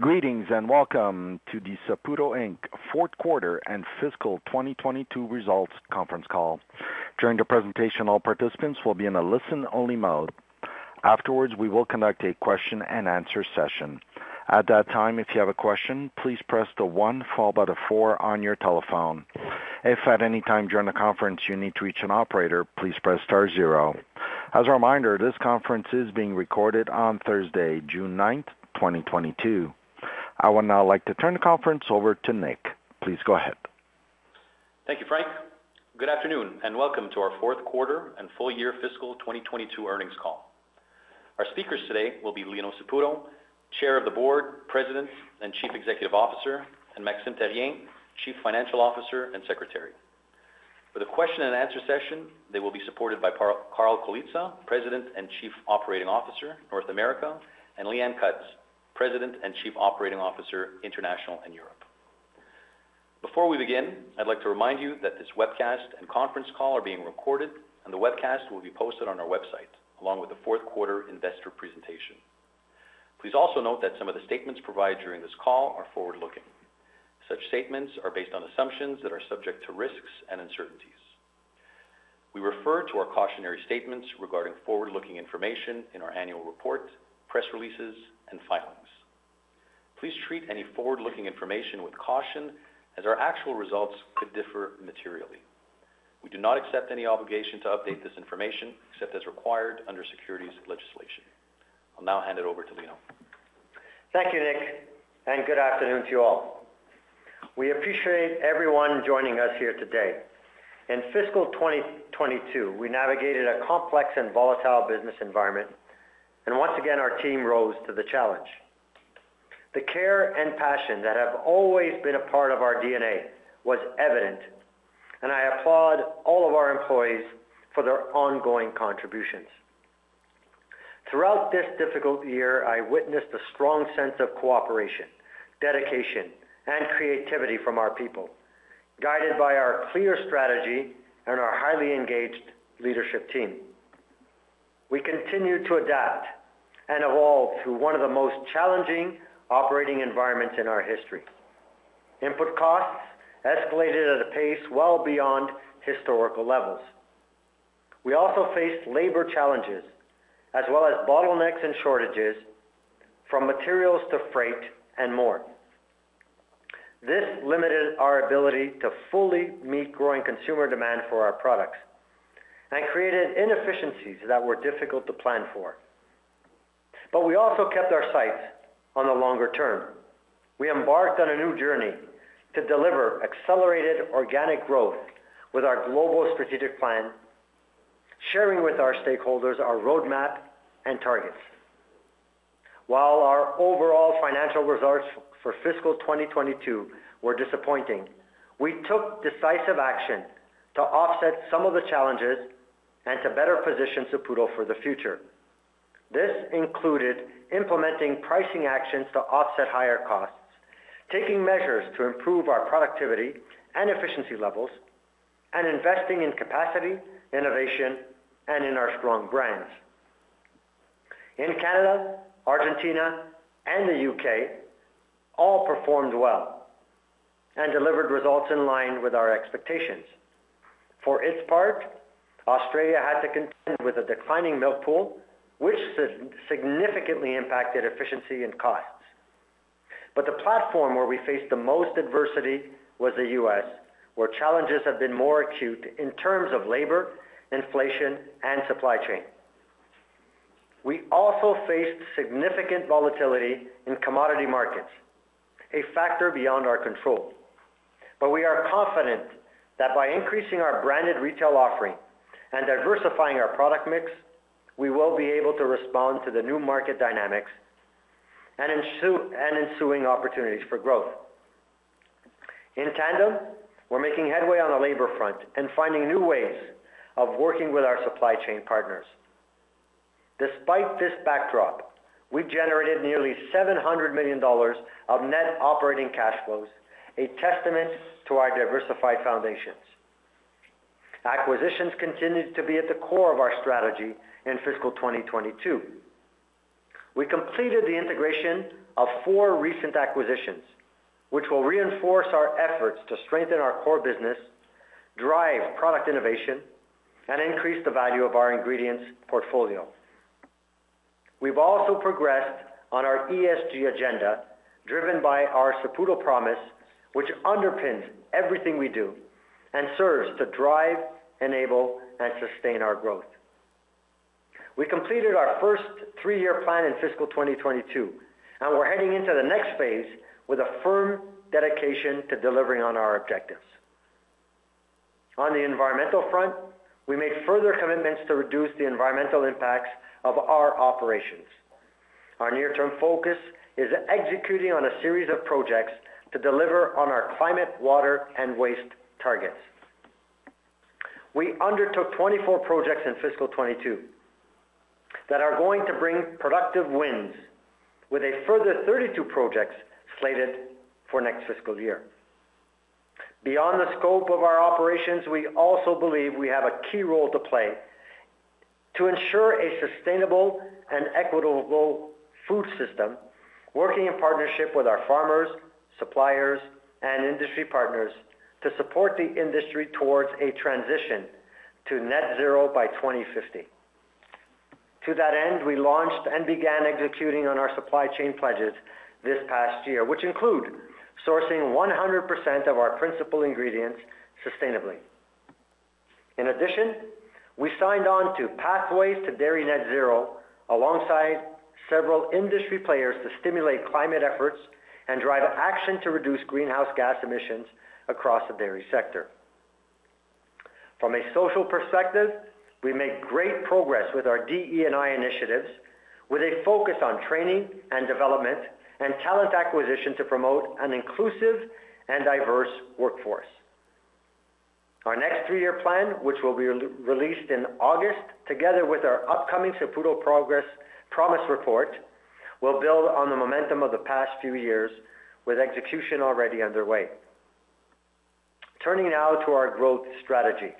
Greetings, and welcome to the Saputo Inc. fourth quarter and fiscal 2022 results conference call. During the presentation, all participants will be in a listen-only mode. Afterwards, we will conduct a question-and-answer session. At that time, if you have a question, please press one followed by four on your telephone. If at any time during the conference you need to reach an operator, please press star zero. As a reminder, this conference is being recorded on Thursday, June 9th, 2022. I would now like to turn the conference over to Nick. Please go ahead. Thank you, Frank. Good afternoon, and welcome to our fourth quarter and full year fiscal 2022 earnings call. Our speakers today will be Lino Saputo, Chair of the Board, President, and Chief Executive Officer, and Maxime Therrien, Chief Financial Officer and Secretary. For the question-and-answer session, they will be supported by Carl Colizza, President and Chief Operating Officer, North America, and Leanne Cutts, President and Chief Operating Officer, International and Europe. Before we begin, I'd like to remind you that this webcast and conference call are being recorded, and the webcast will be posted on our website, along with the fourth quarter investor presentation. Please also note that some of the statements provided during this call are forward-looking. Such statements are based on assumptions that are subject to risks and uncertainties. We refer to our cautionary statements regarding forward-looking information in our annual report, press releases, and filings. Please treat any forward-looking information with caution as our actual results could differ materially. We do not accept any obligation to update this information, except as required under securities legislation. I'll now hand it over to Lino. Thank you, Nick, and good afternoon to you all. We appreciate everyone joining us here today. In fiscal 2022, we navigated a complex and volatile business environment, and once again, our team rose to the challenge. The care and passion that have always been a part of our DNA was evident, and I applaud all of our employees for their ongoing contributions. Throughout this difficult year, I witnessed a strong sense of cooperation, dedication, and creativity from our people, guided by our clear strategy and our highly engaged leadership team. We continued to adapt and evolve through one of the most challenging operating environments in our history. Input costs escalated at a pace well beyond historical levels. We also faced labor challenges as well as bottlenecks and shortages from materials to freight and more. This limited our ability to fully meet growing consumer demand for our products and created inefficiencies that were difficult to plan for. We also kept our sights on the longer term. We embarked on a new journey to deliver accelerated organic growth with our global strategic plan, sharing with our stakeholders our roadmap and targets. While our overall financial results for fiscal 2022 were disappointing, we took decisive action to offset some of the challenges and to better position Saputo for the future. This included implementing pricing actions to offset higher costs, taking measures to improve our productivity and efficiency levels, and investing in capacity, innovation, and in our strong brands. In Canada, Argentina, and the U.K. all performed well and delivered results in line with our expectations. For its part, Australia had to contend with a declining milk pool, which significantly impacted efficiency and costs. The platform where we faced the most adversity was the U.S., where challenges have been more acute in terms of labor, inflation, and supply chain. We also faced significant volatility in commodity markets, a factor beyond our control. We are confident that by increasing our branded retail offering and diversifying our product mix, we will be able to respond to the new market dynamics and ensuing opportunities for growth. In tandem, we're making headway on the labor front and finding new ways of working with our supply chain partners. Despite this backdrop, we've generated nearly 700 million dollars of net operating cash flows, a testament to our diversified foundations. Acquisitions continued to be at the core of our strategy in fiscal 2022. We completed the integration of four recent acquisitions, which will reinforce our efforts to strengthen our core business, drive product innovation, and increase the value of our ingredients portfolio. We've also progressed on our ESG agenda, driven by our Saputo Promise, which underpins everything we do and serves to drive, enable, and sustain our growth. We completed our first three-year plan in fiscal 2022, and we're heading into the next phase with a firm dedication to delivering on our objectives. On the environmental front, we made further commitments to reduce the environmental impacts of our operations. Our near-term focus is executing on a series of projects to deliver on our climate, water, and waste targets. We undertook 24 projects in fiscal 2022 that are going to bring productive wins with a further 32 projects slated for next fiscal year. Beyond the scope of our operations, we also believe we have a key role to play to ensure a sustainable and equitable food system, working in partnership with our farmers, suppliers, and industry partners to support the industry towards a transition to net zero by 2050. To that end, we launched and began executing on our supply chain pledges this past year, which include sourcing 100% of our principal ingredients sustainably. In addition, we signed on to Pathways to Dairy Net Zero alongside several industry players to stimulate climate efforts and drive action to reduce greenhouse gas emissions across the dairy sector. From a social perspective, we made great progress with our DE&I initiatives, with a focus on training and development and talent acquisition to promote an inclusive and diverse workforce. Our next three-year plan, which will be re-released in August, together with our upcoming Saputo Promise Report, will build on the momentum of the past few years with execution already underway. Turning now to our growth strategy.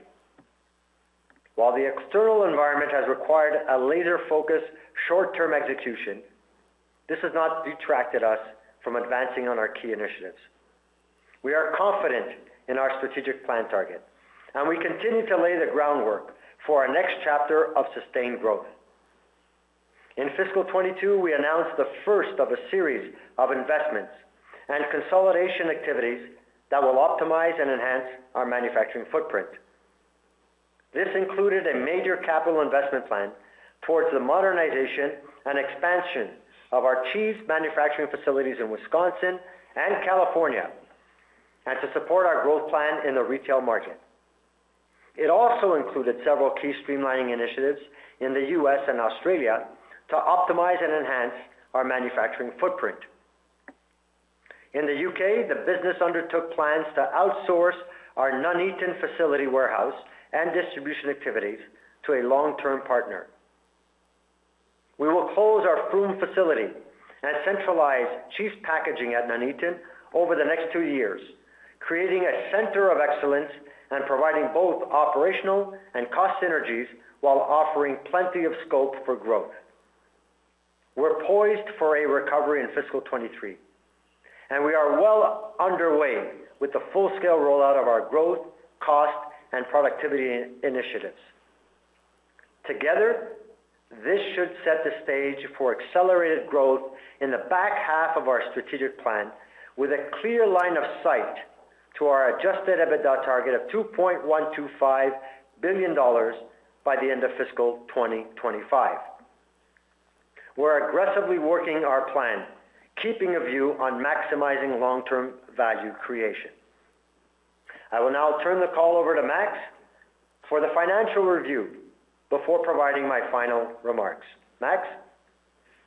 While the external environment has required a laser-focused short-term execution, this has not detracted us from advancing on our key initiatives. We are confident in our strategic plan target, and we continue to lay the groundwork for our next chapter of sustained growth. In fiscal 2022, we announced the first of a series of investments and consolidation activities that will optimize and enhance our manufacturing footprint. This included a major capital investment plan towards the modernization and expansion of our cheese manufacturing facilities in Wisconsin and California, and to support our growth plan in the retail market. It also included several key streamlining initiatives in the U.S. and Australia to optimize and enhance our manufacturing footprint. In the U.K., the business undertook plans to outsource our Nuneaton facility warehouse and distribution activities to a long-term partner. We will close our Frome facility and centralize cheese packaging at Nuneaton over the next two years, creating a center of excellence and providing both operational and cost synergies while offering plenty of scope for growth. We're poised for a recovery in fiscal 2023, and we are well underway with the full-scale rollout of our growth, cost, and productivity initiatives. Together, this should set the stage for accelerated growth in the back half of our strategic plan with a clear line of sight to our adjusted EBITDA target of 2.125 billion dollars by the end of fiscal 2025. We're aggressively working our plan, keeping a view on maximizing long-term value creation. I will now turn the call over to Max for the financial review before providing my final remarks. Max?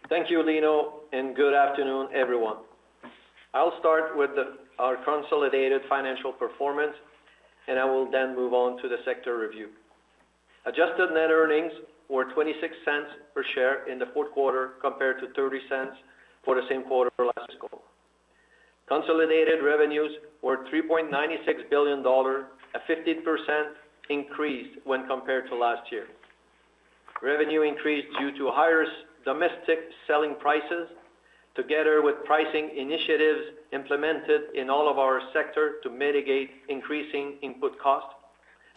Thank you, Lino, and good afternoon, everyone. I'll start with our consolidated financial performance, and I will then move on to the sector review. Adjusted net earnings were 0.26 per share in the fourth quarter compared to 0.30 for the same quarter last fiscal. Consolidated revenues were 3.96 billion dollars, a 15% increase when compared to last year. Revenue increased due to higher domestic selling prices together with pricing initiatives implemented in all of our sector to mitigate increasing input costs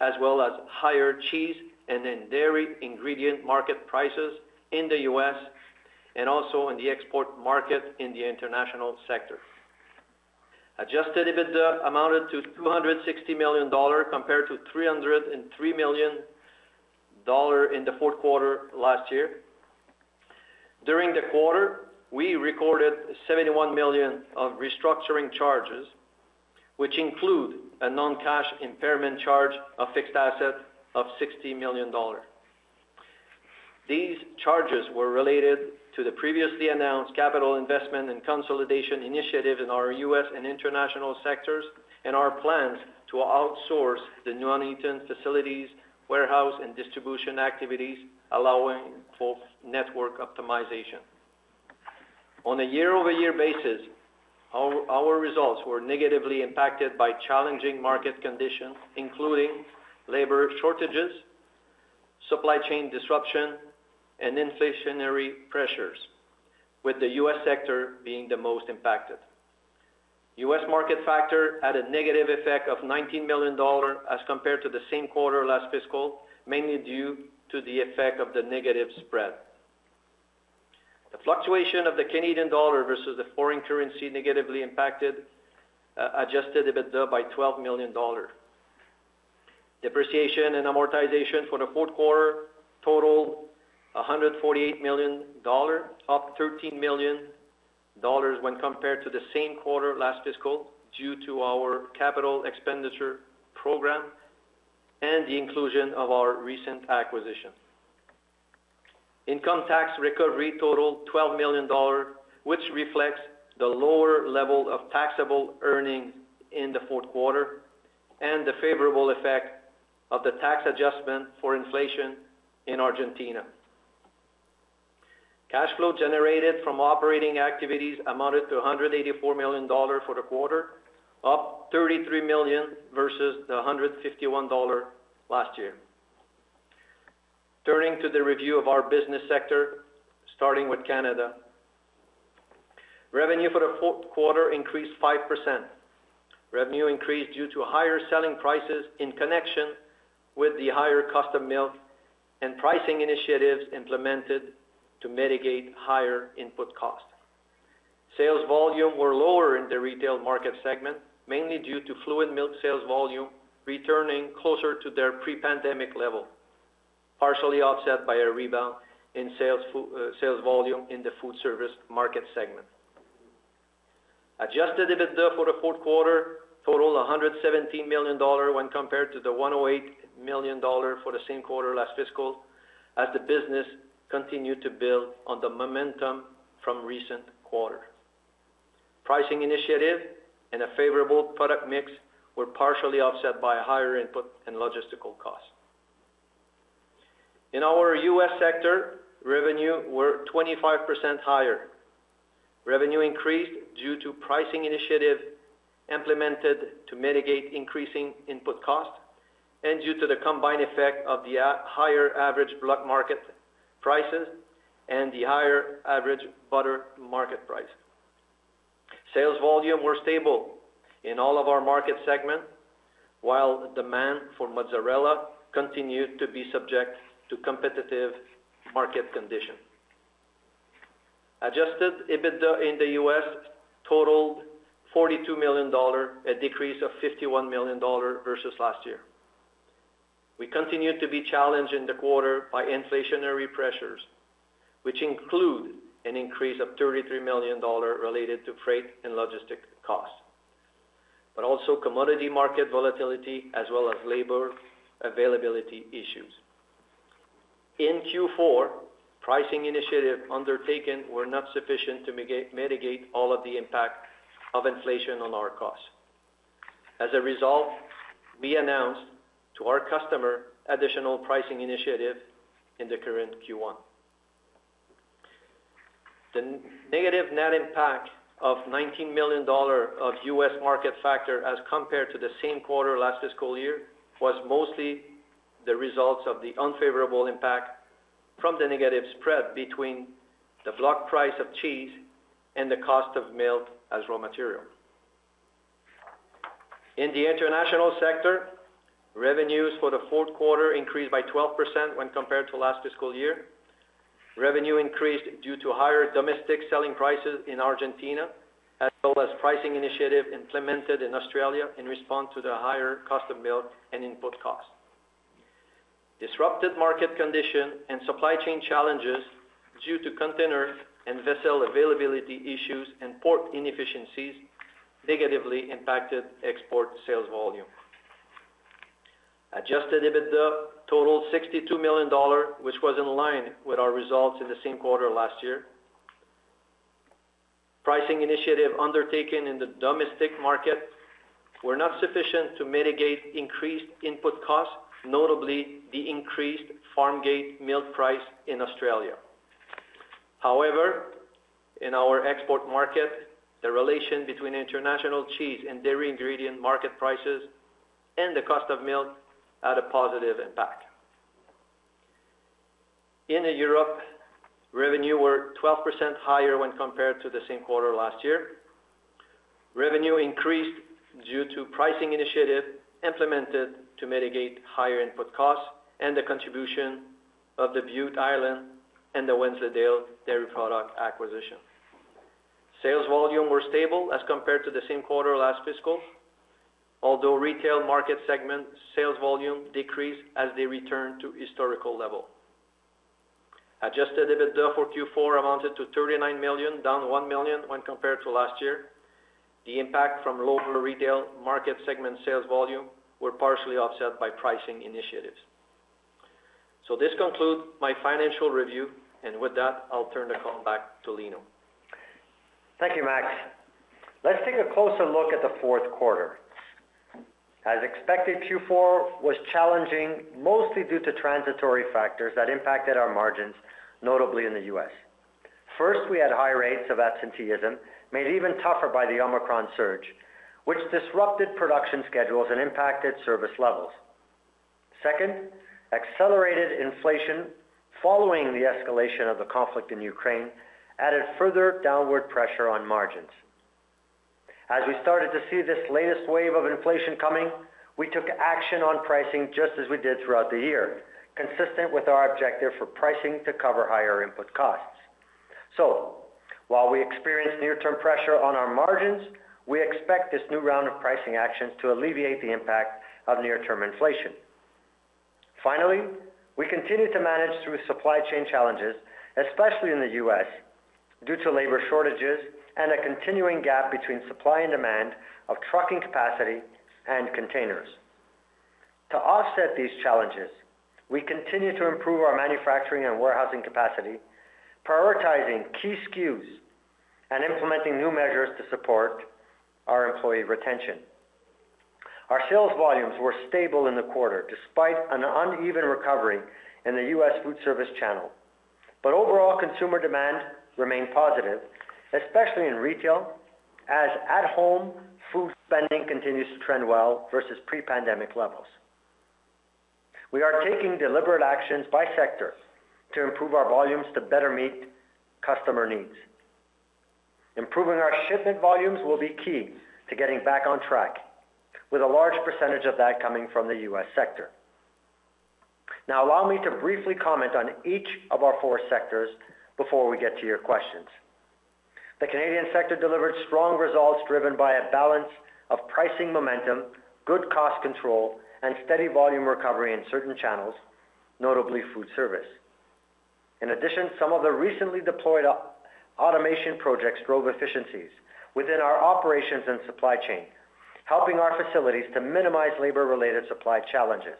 as well as higher cheese and then dairy ingredient market prices in the U.S. and also in the export market in the international sector. Adjusted EBITDA amounted to 260 million dollars compared to 303 million dollars in the fourth quarter last year. During the quarter, we recorded 71 million of restructuring charges, which include a non-cash impairment charge of fixed assets of 60 million dollars. These charges were related to the previously announced capital investment and consolidation initiative in our U.S. and international sectors and our plans to outsource the Nuneaton facilities, warehouse, and distribution activities, allowing for network optimization. On a year-over-year basis, our results were negatively impacted by challenging market conditions, including labor shortages, supply chain disruption, and inflationary pressures, with the U.S. sector being the most impacted. U.S. market factor had a negative effect of 19 million dollars as compared to the same quarter last fiscal, mainly due to the effect of the negative spread. The fluctuation of the Canadian dollar versus the foreign currency negatively impacted adjusted EBITDA by 12 million dollars. Depreciation and amortization for the fourth quarter totaled 148 million dollar, up 13 million dollars when compared to the same quarter last fiscal due to our capital expenditure program and the inclusion of our recent acquisition. Income tax recovery totaled 12 million dollars, which reflects the lower level of taxable earnings in the fourth quarter and the favorable effect of the tax adjustment for inflation in Argentina. Cash flow generated from operating activities amounted to 184 million dollars for the quarter, up 33 million versus 151 million dollar last year. Turning to the review of our business sector, starting with Canada. Revenue for the fourth quarter increased 5%. Revenue increased due to higher selling prices in connection with the higher cost of milk and pricing initiatives implemented to mitigate higher input costs. Sales volume were lower in the retail market segment, mainly due to fluid milk sales volume returning closer to their pre-pandemic level, partially offset by a rebound in sales volume in the food service market segment. Adjusted EBITDA for the fourth quarter totaled 117 million dollars when compared to 108 million dollars for the same quarter last fiscal, as the business continued to build on the momentum from recent quarters. Pricing initiative and a favorable product mix were partially offset by higher input and logistical costs. In our U.S. sector, revenue were 25% higher. Revenue increased due to pricing initiative implemented to mitigate increasing input costs and due to the combined effect of higher average block market prices and the higher average butter market price. Sales volume were stable in all of our market segments, while demand for mozzarella continued to be subject to competitive market conditions. Adjusted EBITDA in the U.S. totaled $42 million, a decrease of $51 million versus last year. We continued to be challenged in the quarter by inflationary pressures, which include an increase of $33 million related to freight and logistic costs, but also commodity market volatility as well as labor availability issues. In Q4, pricing initiatives undertaken were not sufficient to mitigate all of the impact of inflation on our costs. As a result, we announced to our customer additional pricing initiative in the current Q1. The negative net impact of $19 million of U.S. market factor as compared to the same quarter last fiscal year was mostly the results of the unfavorable impact from the negative spread between the block price of cheese and the cost of milk as raw material. In the international sector, revenues for the fourth quarter increased by 12% when compared to last fiscal year. Revenue increased due to higher domestic selling prices in Argentina, as well as pricing initiative implemented in Australia in response to the higher cost of milk and input costs. Disrupted market condition and supply chain challenges due to container and vessel availability issues and port inefficiencies negatively impacted export sales volume. Adjusted EBITDA totaled 62 million dollars, which was in line with our results in the same quarter last year. Pricing initiative undertaken in the domestic market were not sufficient to mitigate increased input costs, notably the increased farm gate milk price in Australia. However, in our export market, the relation between international cheese and dairy ingredient market prices and the cost of milk had a positive impact. In Europe, revenue were 12% higher when compared to the same quarter last year. Revenue increased due to pricing initiative implemented to mitigate higher input costs and the contribution of the Bute Island Foods and the Wensleydale Dairy Products acquisition. Sales volume were stable as compared to the same quarter last fiscal, although retail market segment sales volume decreased as they returned to historical level. Adjusted EBITDA for Q4 amounted to 39 million, down 1 million when compared to last year. The impact from lower retail market segment sales volume were partially offset by pricing initiatives. This concludes my financial review, and with that, I'll turn the call back to Lino. Thank you, Max. Let's take a closer look at the fourth quarter. As expected, Q4 was challenging, mostly due to transitory factors that impacted our margins, notably in the U.S. First, we had high rates of absenteeism, made even tougher by the Omicron surge, which disrupted production schedules and impacted service levels. Second, accelerated inflation following the escalation of the conflict in Ukraine added further downward pressure on margins. As we started to see this latest wave of inflation coming, we took action on pricing just as we did throughout the year, consistent with our objective for pricing to cover higher input costs. While we experience near-term pressure on our margins, we expect this new round of pricing actions to alleviate the impact of near-term inflation. Finally, we continue to manage through supply chain challenges, especially in the U.S., due to labor shortages and a continuing gap between supply and demand of trucking capacity and containers. To offset these challenges, we continue to improve our manufacturing and warehousing capacity, prioritizing key SKUs and implementing new measures to support our employee retention. Our sales volumes were stable in the quarter despite an uneven recovery in the U.S. food service channel. Overall, consumer demand remained positive, especially in retail, as at-home food spending continues to trend well versus pre-pandemic levels. We are taking deliberate actions by sector to improve our volumes to better meet customer needs. Improving our shipment volumes will be key to getting back on track, with a large percentage of that coming from the U.S. sector. Now allow me to briefly comment on each of our four sectors before we get to your questions. The Canadian sector delivered strong results driven by a balance of pricing momentum, good cost control, and steady volume recovery in certain channels, notably food service. In addition, some of the recently deployed automation projects drove efficiencies within our operations and supply chain, helping our facilities to minimize labor-related supply challenges.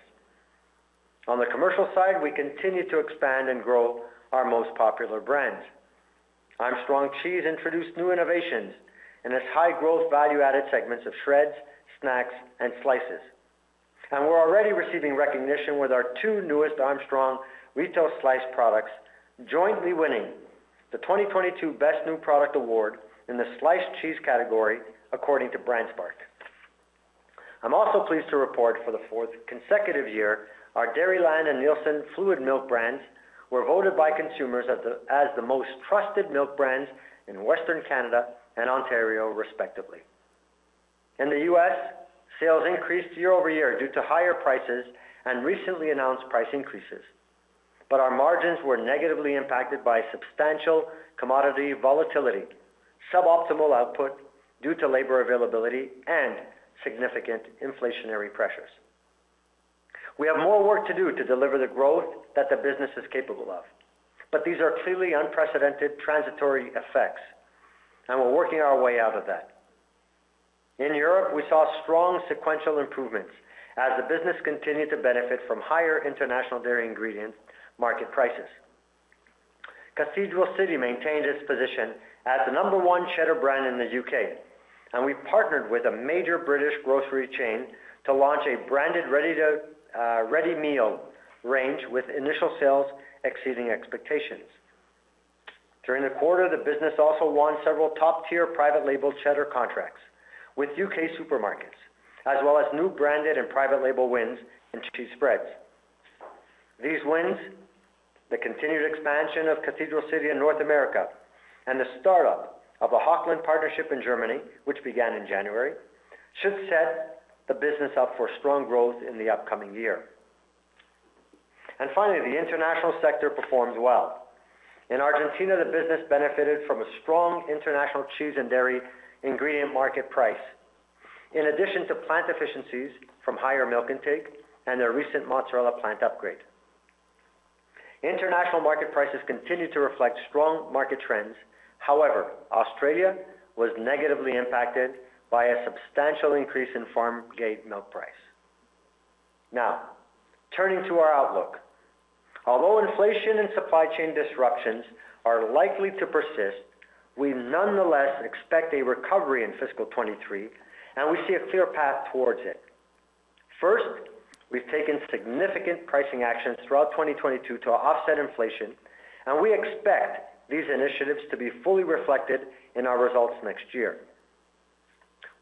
On the commercial side, we continue to expand and grow our most popular brands. Armstrong Cheese introduced new innovations in its high-growth value-added segments of shreds, snacks, and slices. We're already receiving recognition with our two newest Armstrong retail sliced products jointly winning the 2022 Best New Product Award in the sliced cheese category, according to BrandSpark. I'm also pleased to report for the fourth consecutive year, our Dairyland and Neilson fluid milk brands were voted by consumers as the most trusted milk brands in Western Canada and Ontario, respectively. In the U.S., sales increased year-over-year due to higher prices and recently announced price increases. Our margins were negatively impacted by substantial commodity volatility, suboptimal output due to labor availability, and significant inflationary pressures. We have more work to do to deliver the growth that the business is capable of. These are clearly unprecedented transitory effects, and we're working our way out of that. In Europe, we saw strong sequential improvements as the business continued to benefit from higher international dairy ingredient market prices. Cathedral City maintained its position as the number one cheddar brand in the U.K., and we partnered with a major British grocery chain to launch a branded ready meal range with initial sales exceeding expectations. During the quarter, the business also won several top-tier private label cheddar contracts with U.K. supermarkets, as well as new branded and private label wins in cheese spreads. These wins, the continued expansion of Cathedral City in North America, and the startup of a Hochland partnership in Germany, which began in January, should set the business up for strong growth in the upcoming year. Finally, the international sector performed well. In Argentina, the business benefited from a strong international cheese and dairy ingredient market price. In addition to plant efficiencies from higher milk intake and a recent mozzarella plant upgrade. International market prices continued to reflect strong market trends. However, Australia was negatively impacted by a substantial increase in farm gate milk price. Now, turning to our outlook. Although inflation and supply chain disruptions are likely to persist, we nonetheless expect a recovery in fiscal 2023, and we see a clear path towards it. First, we've taken significant pricing actions throughout 2022 to offset inflation, and we expect these initiatives to be fully reflected in our results next year.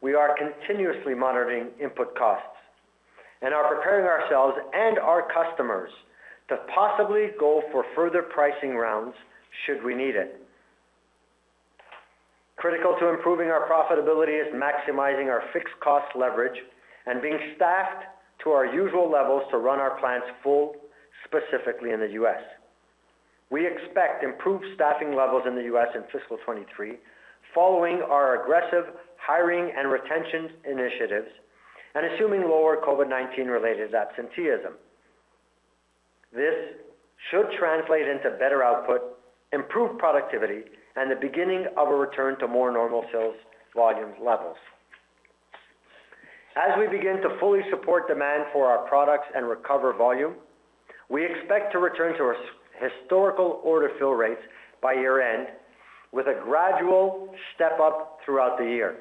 We are continuously monitoring input costs and are preparing ourselves and our customers to possibly go for further pricing rounds should we need it. Critical to improving our profitability is maximizing our fixed cost leverage and being staffed to our usual levels to run our plants full, specifically in the U.S. We expect improved staffing levels in the U.S. in fiscal 2023 following our aggressive hiring and retention initiatives and assuming lower COVID-19 related absenteeism. This should translate into better output, improved productivity, and the beginning of a return to more normal sales volume levels. As we begin to fully support demand for our products and recover volume, we expect to return to our historical order fill rates by year-end with a gradual step-up throughout the year.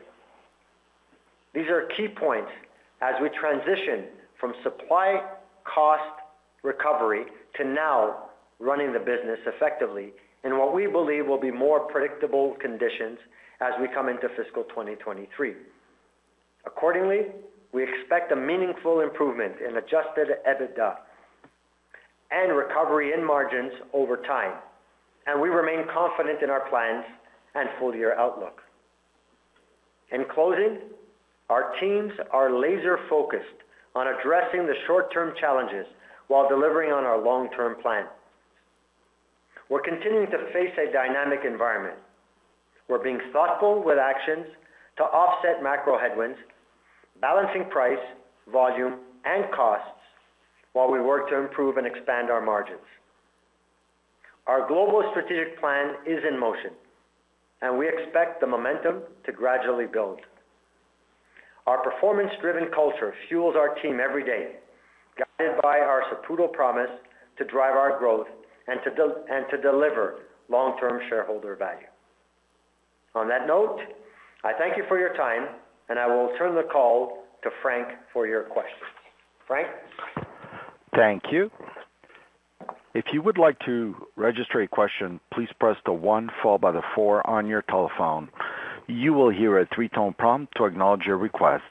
These are key points as we transition from supply cost recovery to now running the business effectively in what we believe will be more predictable conditions as we come into fiscal 2023. Accordingly, we expect a meaningful improvement in adjusted EBITDA and recovery in margins over time, and we remain confident in our plans and full-year outlook. In closing, our teams are laser-focused on addressing the short-term challenges while delivering on our long-term plan. We're continuing to face a dynamic environment. We're being thoughtful with actions to offset macro headwinds, balancing price, volume, and costs while we work to improve and expand our margins. Our global strategic plan is in motion, and we expect the momentum to gradually build. Our performance-driven culture fuels our team every day, guided by our Saputo Promise to drive our growth and to deliver long-term shareholder value. On that note, I thank you for your time, and I will turn the call to Frank for your questions. Frank? Thank you. If you would like to register a question, please press the one followed by the four on your telephone. You will hear a three-tone prompt to acknowledge your request.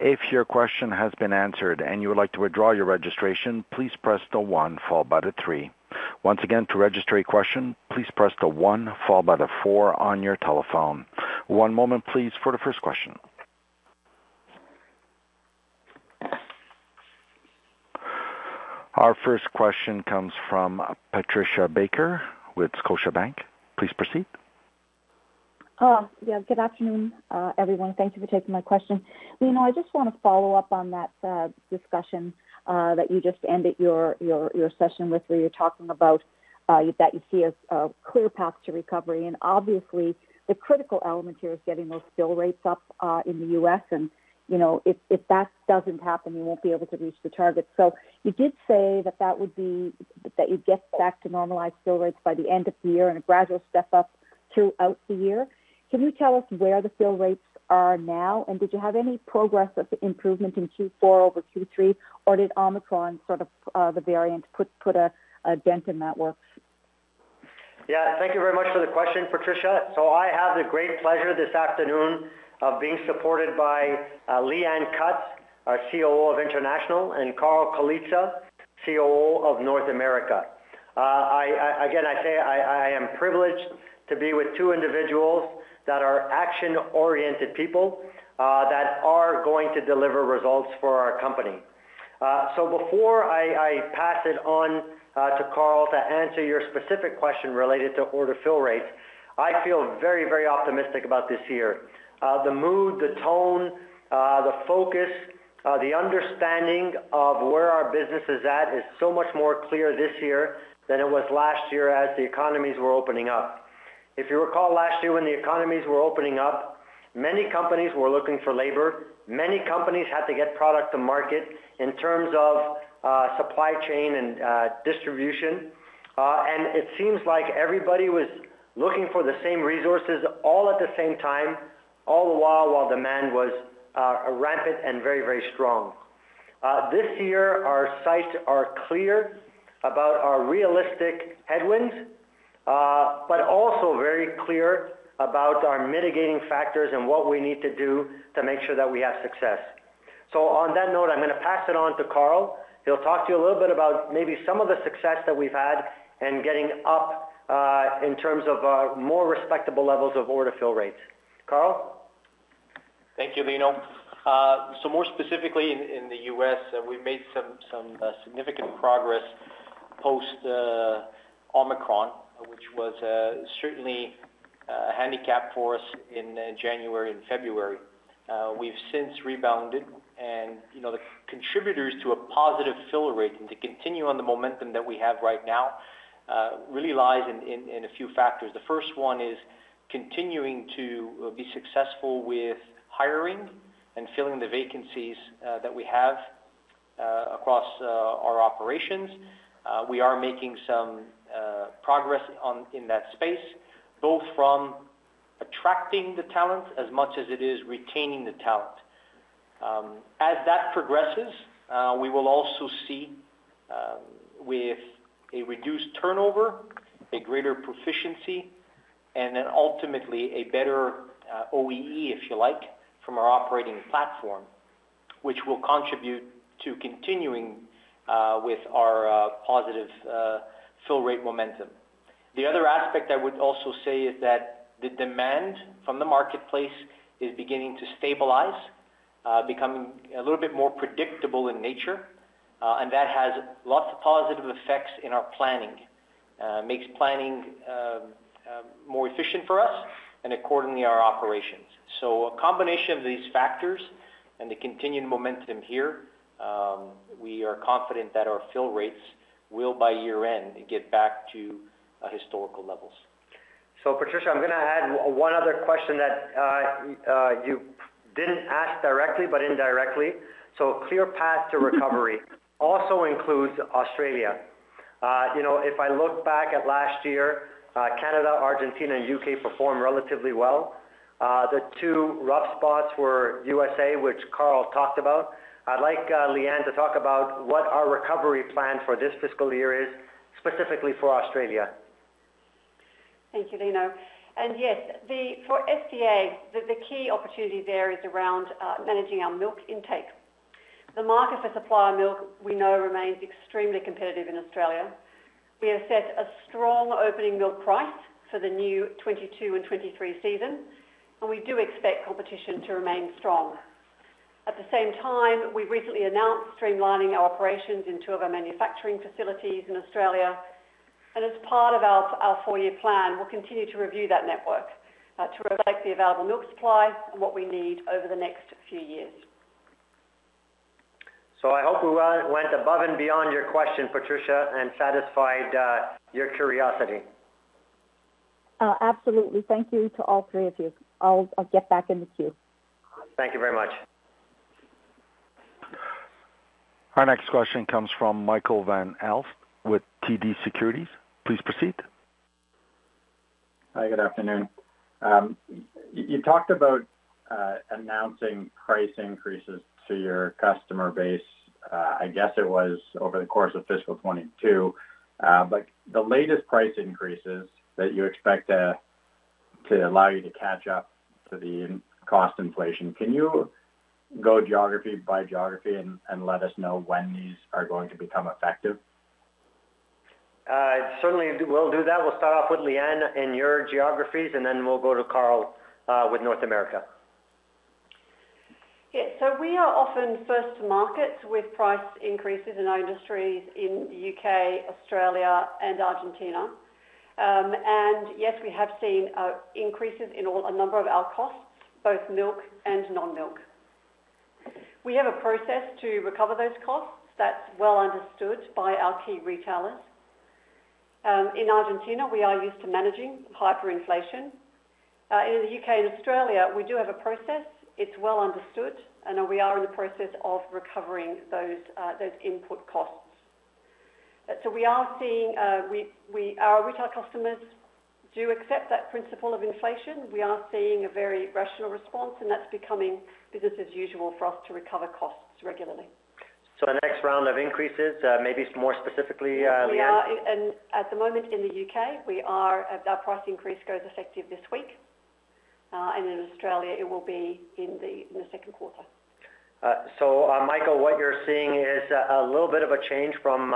If your question has been answered and you would like to withdraw your registration, please press the one followed by the three. Once again, to register a question, please press the one followed by the four on your telephone. One moment please for the first question. Our first question comes from Patricia Baker with Scotiabank. Please proceed. Yeah, good afternoon, everyone. Thank you for taking my question. You know, I just wanna follow up on that, discussion, that you just ended your session with, where you're talking about, that you see a clear path to recovery. Obviously the critical element here is getting those fill rates up, in the U.S., and, you know, if that doesn't happen, you won't be able to reach the target. You did say that you'd get back to normalized fill rates by the end of the year and a gradual step up throughout the year. Can you tell us where the fill rates are now, and did you have any progress of improvement in Q4 over Q3, or did Omicron, sort of, the variant, put a dent in that work? Yeah. Thank you very much for the question, Patricia. I have the great pleasure this afternoon of being supported by Leanne Cutts, our COO of International, and Carl Colizza, COO of North America. Again, I am privileged to be with two individuals that are action-oriented people that are going to deliver results for our company. Before I pass it on to Carl to answer your specific question related to order fill rates, I feel very, very optimistic about this year. The mood, the tone, the focus, the understanding of where our business is at is so much more clear this year than it was last year as the economies were opening up. If you recall last year when the economies were opening up, many companies were looking for labor, many companies had to get product to market in terms of supply chain and distribution, and it seems like everybody was looking for the same resources all at the same time, all the while demand was rampant and very, very strong. This year our sights are clear about our realistic headwinds, but also very clear about our mitigating factors and what we need to do to make sure that we have success. On that note, I'm gonna pass it on to Carl. He'll talk to you a little bit about maybe some of the success that we've had in getting up in terms of more respectable levels of order fill rates. Carl? Thank you, Lino. So more specifically in the U.S., we've made some significant progress post Omicron, which was certainly a handicap for us in January and February. We've since rebounded. You know, the contributors to a positive fill rate and to continue on the momentum that we have right now really lies in a few factors. The first one is continuing to be successful with hiring and filling the vacancies that we have across our operations. We are making some progress in that space, both from attracting the talent as much as it is retaining the talent. As that progresses, we will also see, with a reduced turnover, a greater proficiency, and then ultimately a better OEE, if you like, from our operating platform, which will contribute to continuing with our positive fill rate momentum. The other aspect I would also say is that the demand from the marketplace is beginning to stabilize, becoming a little bit more predictable in nature, and that has lots of positive effects in our planning. Makes planning more efficient for us and accordingly our operations. A combination of these factors and the continued momentum here, we are confident that our fill rates will, by year-end, get back to historical levels. Patricia, I'm gonna add one other question that you didn't ask directly, but indirectly. Clear path to recovery also includes Australia. You know, if I look back at last year, Canada, Argentina, and U.K. performed relatively well. The two rough spots were USA, which Carl talked about. I'd like Leanne to talk about what our recovery plan for this fiscal year is specifically for Australia. Thank you, Lino. Yes, for SDA, the key opportunity there is around managing our milk intake. The market for supplier milk, we know remains extremely competitive in Australia. We have set a strong opening milk price for the new 2022 and 2023 season, and we do expect competition to remain strong. At the same time, we recently announced streamlining our operations in two of our manufacturing facilities in Australia, and as part of our four-year plan, we'll continue to review that network to reflect the available milk supply and what we need over the next few years. I hope we went above and beyond your question, Patricia, and satisfied your curiosity. Absolutely. Thank you to all three of you. I'll get back in the queue. Thank you very much. Our next question comes from Michael Van Aelst with TD Cowen. Please proceed. Hi, good afternoon. You talked about announcing price increases to your customer base, I guess it was over the course of fiscal 2022. The latest price increases that you expect to allow you to catch up to the cost inflation, can you go geography by geography and let us know when these are going to become effective? Certainly we'll do that. We'll start off with Leanne in your geographies, and then we'll go to Carl with North America. Yeah. We are often first to market with price increases in our industries in the U.K., Australia, and Argentina. Yes, we have seen increases in a number of our costs, both milk and non-milk. We have a process to recover those costs that's well understood by our key retailers. In Argentina, we are used to managing hyperinflation. In the U.K. and Australia, we do have a process. It's well understood, and we are in the process of recovering those input costs. We are seeing our retail customers do accept that principle of inflation. We are seeing a very rational response, and that's becoming business as usual for us to recover costs regularly. The next round of increases, maybe more specifically, Leanne? At the moment in the U.K., our price increase goes effective this week. In Australia, it will be in the second quarter. Michael, what you're seeing is a little bit of a change from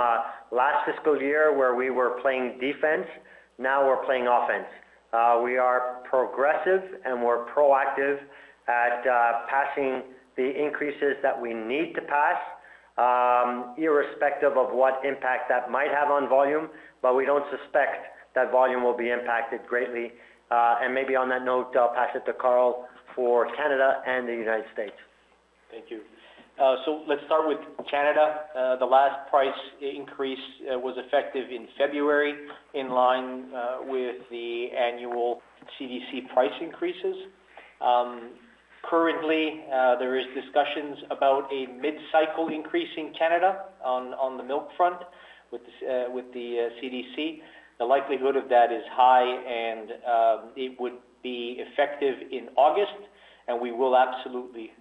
last fiscal year where we were playing defense. Now we're playing offense. We are progressive, and we're proactive at passing the increases that we need to pass, irrespective of what impact that might have on volume, but we don't suspect that volume will be impacted greatly. Maybe on that note, I'll pass it to Carl for Canada and the United States. Thank you. Let's start with Canada. The last price increase was effective in February, in line with the annual CDC price increases. Currently, there is discussions about a mid-cycle increase in Canada on the milk front with the CDC. The likelihood of that is high and it would be effective in August, and we will absolutely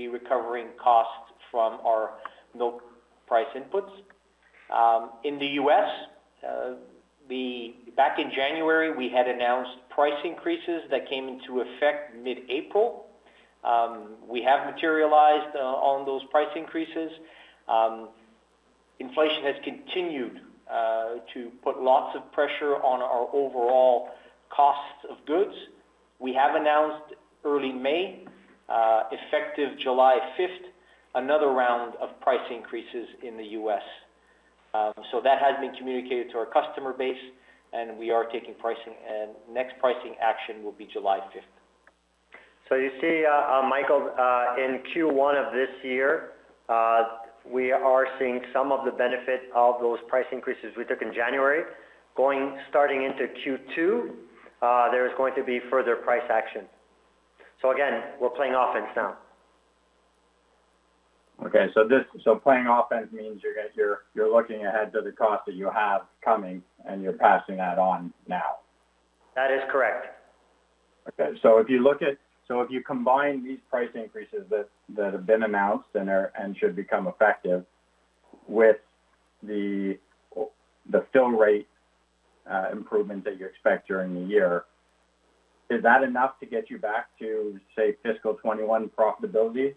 be recovering costs from our milk price inputs. In the U.S., back in January, we had announced price increases that came into effect mid-April. We have materialized on those price increases. Inflation has continued to put lots of pressure on our overall costs of goods. We have announced early May, effective July 5th, another round of price increases in the U.S. That has been communicated to our customer base, and we are taking pricing, and next pricing action will be July 5th. You see, Michael, in Q1 of this year, we are seeing some of the benefit of those price increases we took in January. Starting into Q2, there is going to be further price action. Again, we're playing offense now. Playing offense means you're looking ahead to the cost that you have coming, and you're passing that on now. That is correct. If you combine these price increases that have been announced and are and should become effective with the film rate improvement that you expect during the year, is that enough to get you back to, say, fiscal 2021 profitability?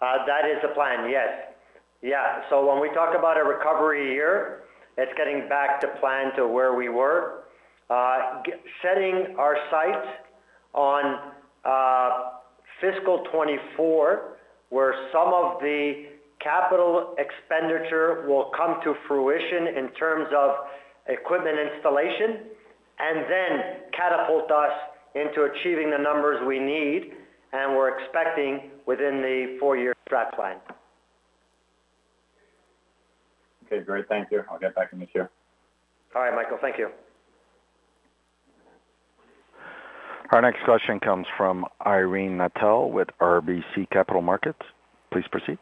That is the plan, yes. When we talk about a recovery year, it's getting back to plan to where we were. Setting our sights on fiscal 2024, where some of the capital expenditure will come to fruition in terms of equipment installation and then catapult us into achieving the numbers we need and we're expecting within the four-year track plan. Okay, great. Thank you. I'll get back in the queue. All right, Michael. Thank you. Our next question comes from Irene Nattel with RBC Capital Markets. Please proceed.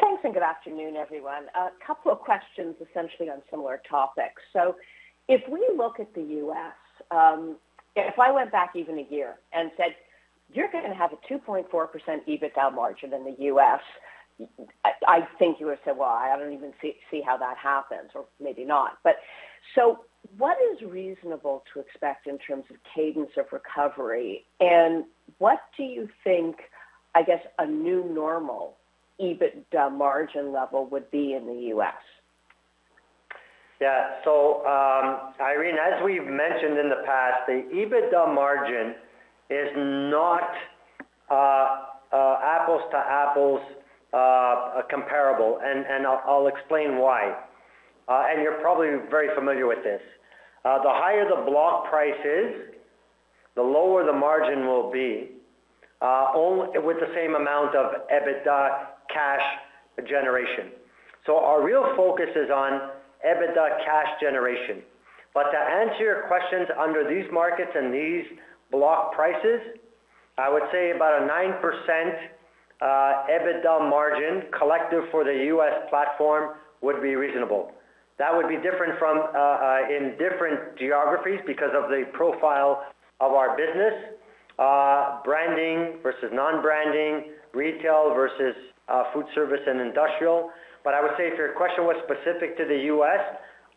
Thanks, good afternoon, everyone. A couple of questions essentially on similar topics. If we look at the U.S., if I went back even a year and said, "You're gonna have a 2.4% EBITDA margin in the U.S.," I think you would say, "Well, I don't even see how that happens," or maybe not. What is reasonable to expect in terms of cadence of recovery? What do you think, I guess, a new normal EBITDA margin level would be in the U.S.? Yeah. Irene, as we've mentioned in the past, the EBITDA margin is not apples to apples comparable, and I'll explain why, and you're probably very familiar with this. The higher the block price is, the lower the margin will be, only with the same amount of EBITDA cash generation. Our real focus is on EBITDA cash generation. To answer your questions under these markets and these block prices, I would say about a 9% EBITDA margin collective for the U.S. platform would be reasonable. That would be different from in different geographies because of the profile of our business, branding versus non-branding, retail versus food service and industrial. I would say if your question was specific to the U.S.,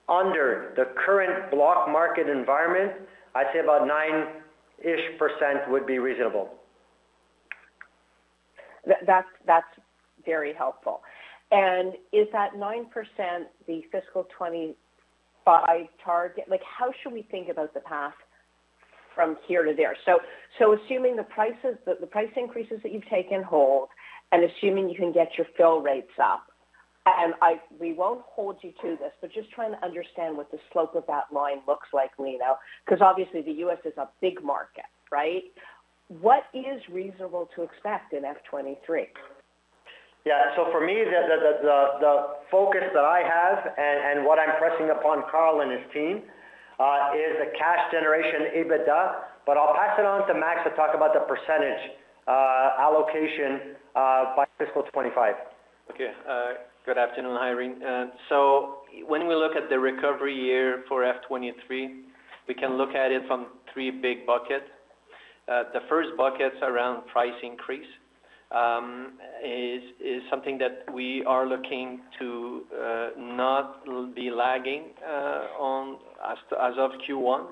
under the current block market environment, I'd say about 9-ish% would be reasonable. That's very helpful. Is that 9% the fiscal 2025 target? Like, how should we think about the path from here to there? Assuming the prices, the price increases that you've taken hold and assuming you can get your fill rates up, we won't hold you to this, but just trying to understand what the slope of that line looks like, Lino, 'cause obviously the U.S. is a big market, right? What is reasonable to expect in fiscal 2023? For me, the focus that I have and what I'm pressing upon Carl and his team is the cash generation EBITDA, but I'll pass it on to Max to talk about the percentage allocation by fiscal 2025. Okay. Good afternoon, Irene. When we look at the recovery year for FY 2023, we can look at it from three big buckets. The first bucket's around price increase, is something that we are looking to not be lagging on as of Q1.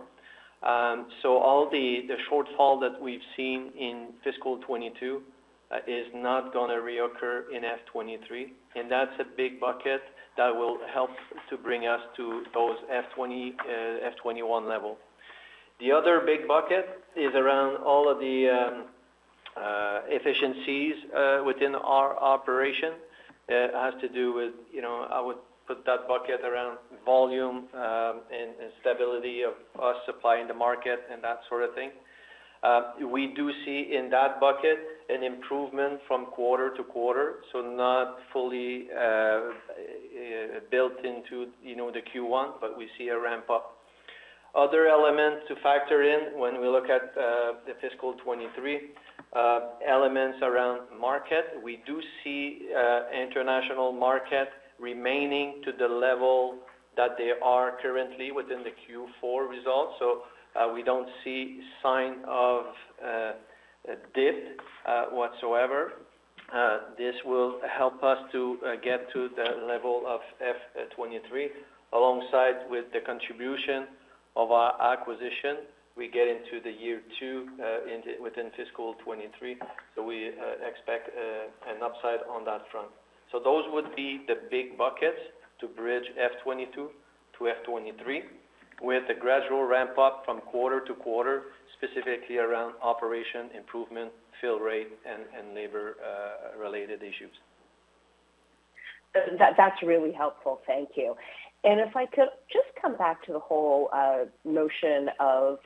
All the shortfall that we've seen in fiscal year 2022 is not gonna reoccur in FY 2023, and that's a big bucket that will help to bring us to those FY 2021 level. The other big bucket is around all of the efficiencies within our operation. It has to do with, you know, I would put that bucket around volume and stability of us supplying the market and that sort of thing. We do see in that bucket an improvement from quarter to quarter, so not fully built into, you know, the Q1, but we see a ramp up. Other elements to factor in when we look at the fiscal 2023 elements around market. We do see international market remaining to the level that they are currently within the Q4 results. We don't see sign of a dip whatsoever. This will help us to get to the level of fiscal 2023 alongside with the contribution of our acquisition. We get into the year two within fiscal 2023. We expect an upside on that front. Those would be the big buckets to bridge FY 2022 to FY 2023, with a gradual ramp up from quarter to quarter, specifically around operational improvement, fill rate, and labor-related issues. That's really helpful. Thank you. If I could just come back to the whole notion of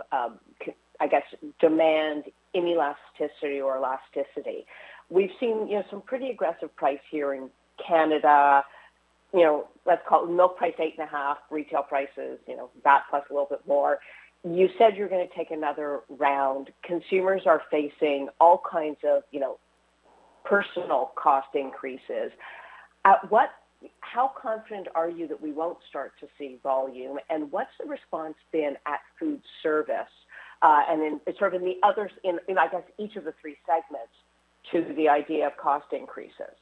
I guess demand inelasticity or elasticity. We've seen, you know, some pretty aggressive price here in Canada, you know, let's call it milk price 8.5, retail prices, you know, that plus a little bit more. You said you're gonna take another round. Consumers are facing all kinds of, you know, personal cost increases. How confident are you that we won't start to see volume? What's the response been at food service, and in sort of the others, I guess, each of the three segments to the idea of cost increases?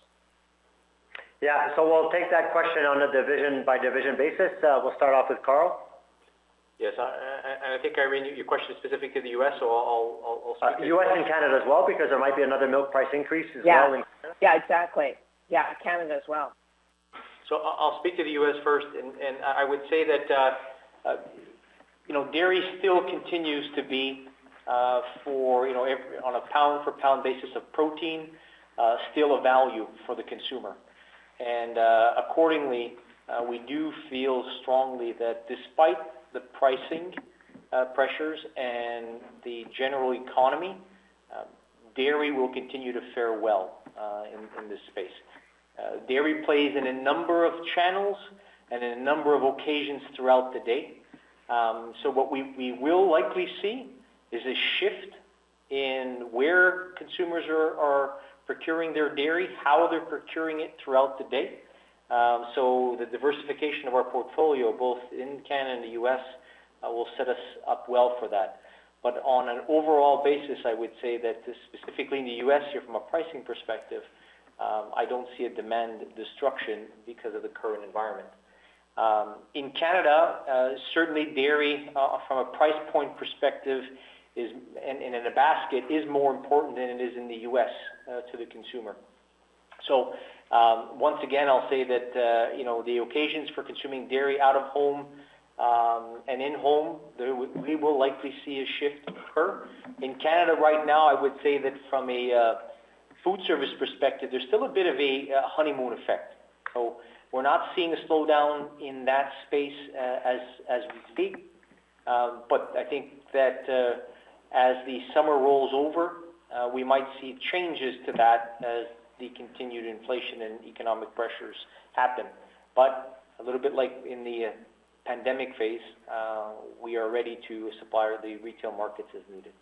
Yeah. I'll take that question on a division by division basis. We'll start off with Carl. Yes. I think, Irene, your question is specific to the U.S., so I'll start. U.S. and Canada as well, because there might be another milk price increase as well in Canada. Yeah. Yeah, exactly. Yeah, Canada as well. I'll speak to the U.S. first. I would say that, you know, dairy still continues to be, you know, on a pound for pound basis of protein, still a value for the consumer. Accordingly, we do feel strongly that despite the pricing pressures and the general economy, dairy will continue to fare well, in this space. Dairy plays in a number of channels and in a number of occasions throughout the day. What we will likely see is a shift in where consumers are procuring their dairy, how they're procuring it throughout the day. The diversification of our portfolio, both in Canada and the U.S., will set us up well for that. On an overall basis, I would say that specifically in the U.S. here from a pricing perspective, I don't see a demand destruction because of the current environment. In Canada, certainly dairy from a price point perspective is, and in a basket, more important than it is in the U.S., to the consumer. Once again, I'll say that, you know, the occasions for consuming dairy out of home and in home, we will likely see a shift occur. In Canada right now, I would say that from a food service perspective, there's still a bit of a honeymoon effect. We're not seeing a slowdown in that space as we speak. I think that, as the summer rolls over, we might see changes to that as the continued inflation and economic pressures happen. A little bit like in the pandemic phase, we are ready to supply the retail markets as needed.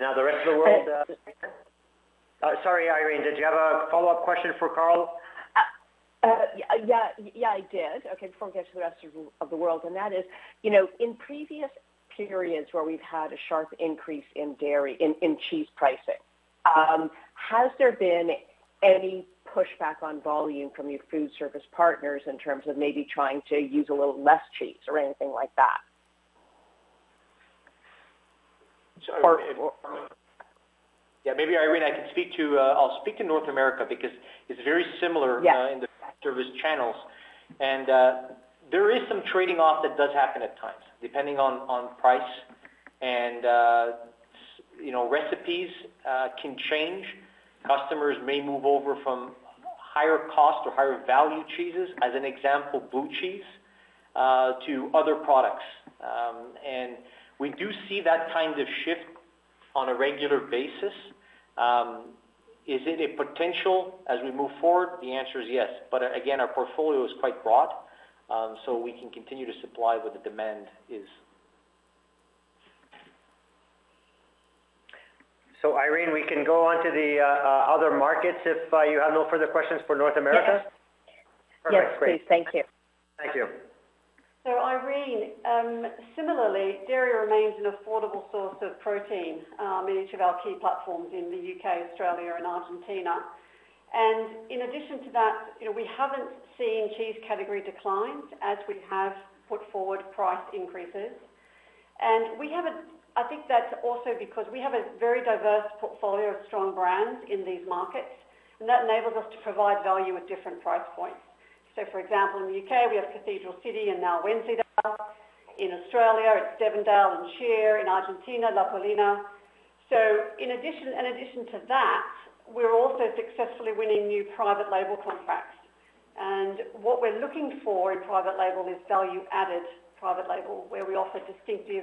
Now the rest of the world, Sorry, Irene, did you have a follow-up question for Carl? Yeah, I did. Okay, before we get to the rest of the world, and that is, you know, in previous periods where we've had a sharp increase in cheese pricing, has there been any pushback on volume from your food service partners in terms of maybe trying to use a little less cheese or anything like that? Sorry, maybe Irene, I'll speak to North America because it's very similar. Yes In the service channels. There is some trading off that does happen at times, depending on price. You know, recipes can change. Customers may move over from higher cost or higher value cheeses, as an example, blue cheese to other products. We do see that kind of shift on a regular basis. Is it a potential as we move forward? The answer is yes. Again, our portfolio is quite broad, so we can continue to supply where the demand is. Irene, we can go on to the other markets if you have no further questions for North America. Yes. Perfect. Great. Yes, please. Thank you. Thank you. Irene, similarly, dairy remains an affordable source of protein in each of our key platforms in the U.K., Australia, and Argentina. In addition to that, you know, we haven't seen cheese category declines as we have put forward price increases. I think that's also because we have a very diverse portfolio of strong brands in these markets, and that enables us to provide value at different price points. For example, in the U.K., we have Cathedral City and now Wensleydale. In Australia, it's Devondale and CHEER. In Argentina, La Paulina. In addition to that, we're also successfully winning new private label contracts. What we're looking for in private label is value-added private label, where we offer distinctive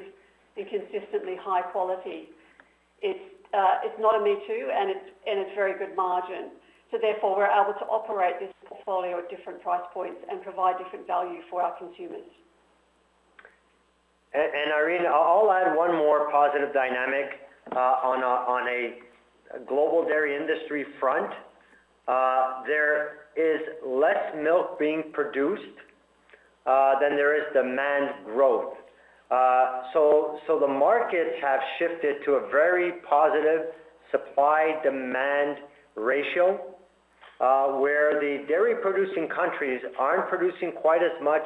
and consistently high quality. It's not a me too, and it's very good margin. We're able to operate this portfolio at different price points and provide different value for our consumers. Irene, I'll add one more positive dynamic on a global dairy industry front. There is less milk being produced than there is demand growth. The markets have shifted to a very positive supply-demand ratio, where the dairy producing countries aren't producing quite as much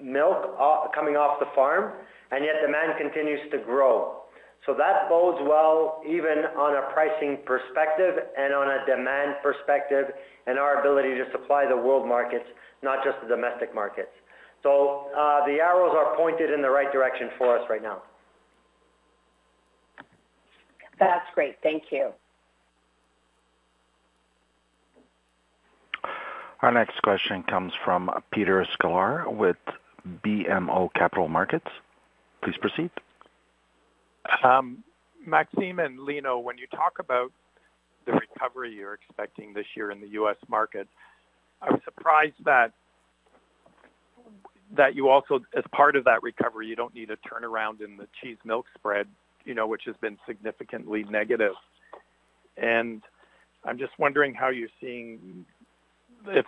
milk coming off the farm, and yet demand continues to grow. That bodes well even on a pricing perspective and on a demand perspective and our ability to supply the world markets, not just the domestic markets. The arrows are pointed in the right direction for us right now. That's great. Thank you. Our next question comes from Peter Sklar with BMO Capital Markets. Please proceed. Maxime and Lino, when you talk about the recovery you're expecting this year in the U.S. market, I'm surprised that you also, as part of that recovery, you don't need a turnaround in the cheese milk spread, you know, which has been significantly negative. I'm just wondering how you're seeing. If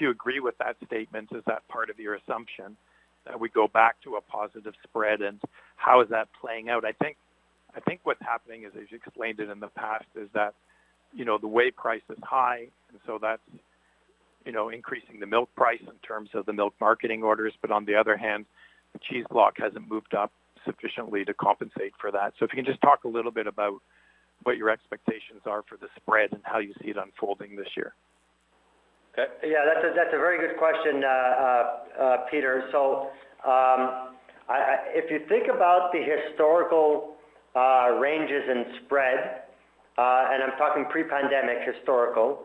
you agree with that statement, is that part of your assumption that we go back to a positive spread? How is that playing out? I think what's happening is, as you explained it in the past, is that, you know, the whey price is high, and so that's, you know, increasing the milk price in terms of the milk marketing orders. On the other hand, the cheese block hasn't moved up sufficiently to compensate for that. If you can just talk a little bit about what your expectations are for the spread and how you see it unfolding this year? Yeah, that's a very good question, Peter. If you think about the historical ranges in spread, and I'm talking pre-pandemic historical,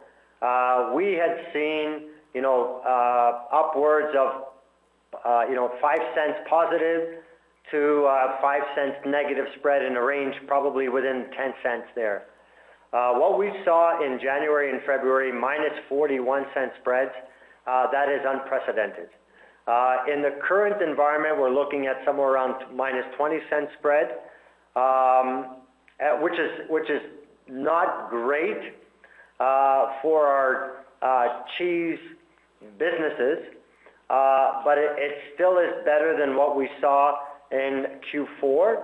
we had seen, you know, upwards of, you know, $0.05 positive to $0.05- spread in a range probably within $0.10 there. What we saw in January and February, -$0.41 spread, that is unprecedented. In the current environment, we're looking at somewhere around -$0.20 spread, which is not great for our cheese businesses, but it still is better than what we saw in Q4.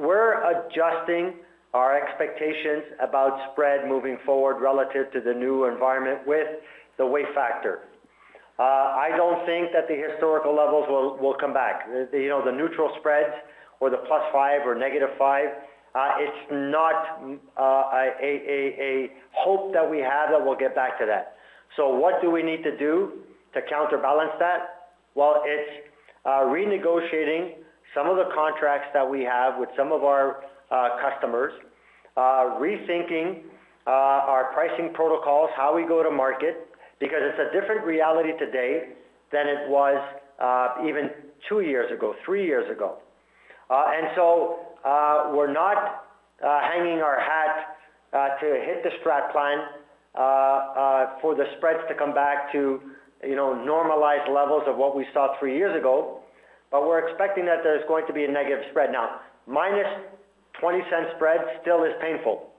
We're adjusting our expectations about spread moving forward relative to the new environment with the whey factor. I don't think that the historical levels will come back. You know, the neutral spreads or the +$0.05 or -$0.05. It's not a hope that we have that we'll get back to that. What do we need to do to counterbalance that? Well, it's renegotiating some of the contracts that we have with some of our customers. Rethinking our pricing protocols, how we go to market, because it's a different reality today than it was even two years ago, three years ago. We're not hanging our hat to hit the strat plan for the spreads to come back to, you know, normalized levels of what we saw three years ago. We're expecting that there's going to be a negative spread. Now, -$0.20 spread still is painful.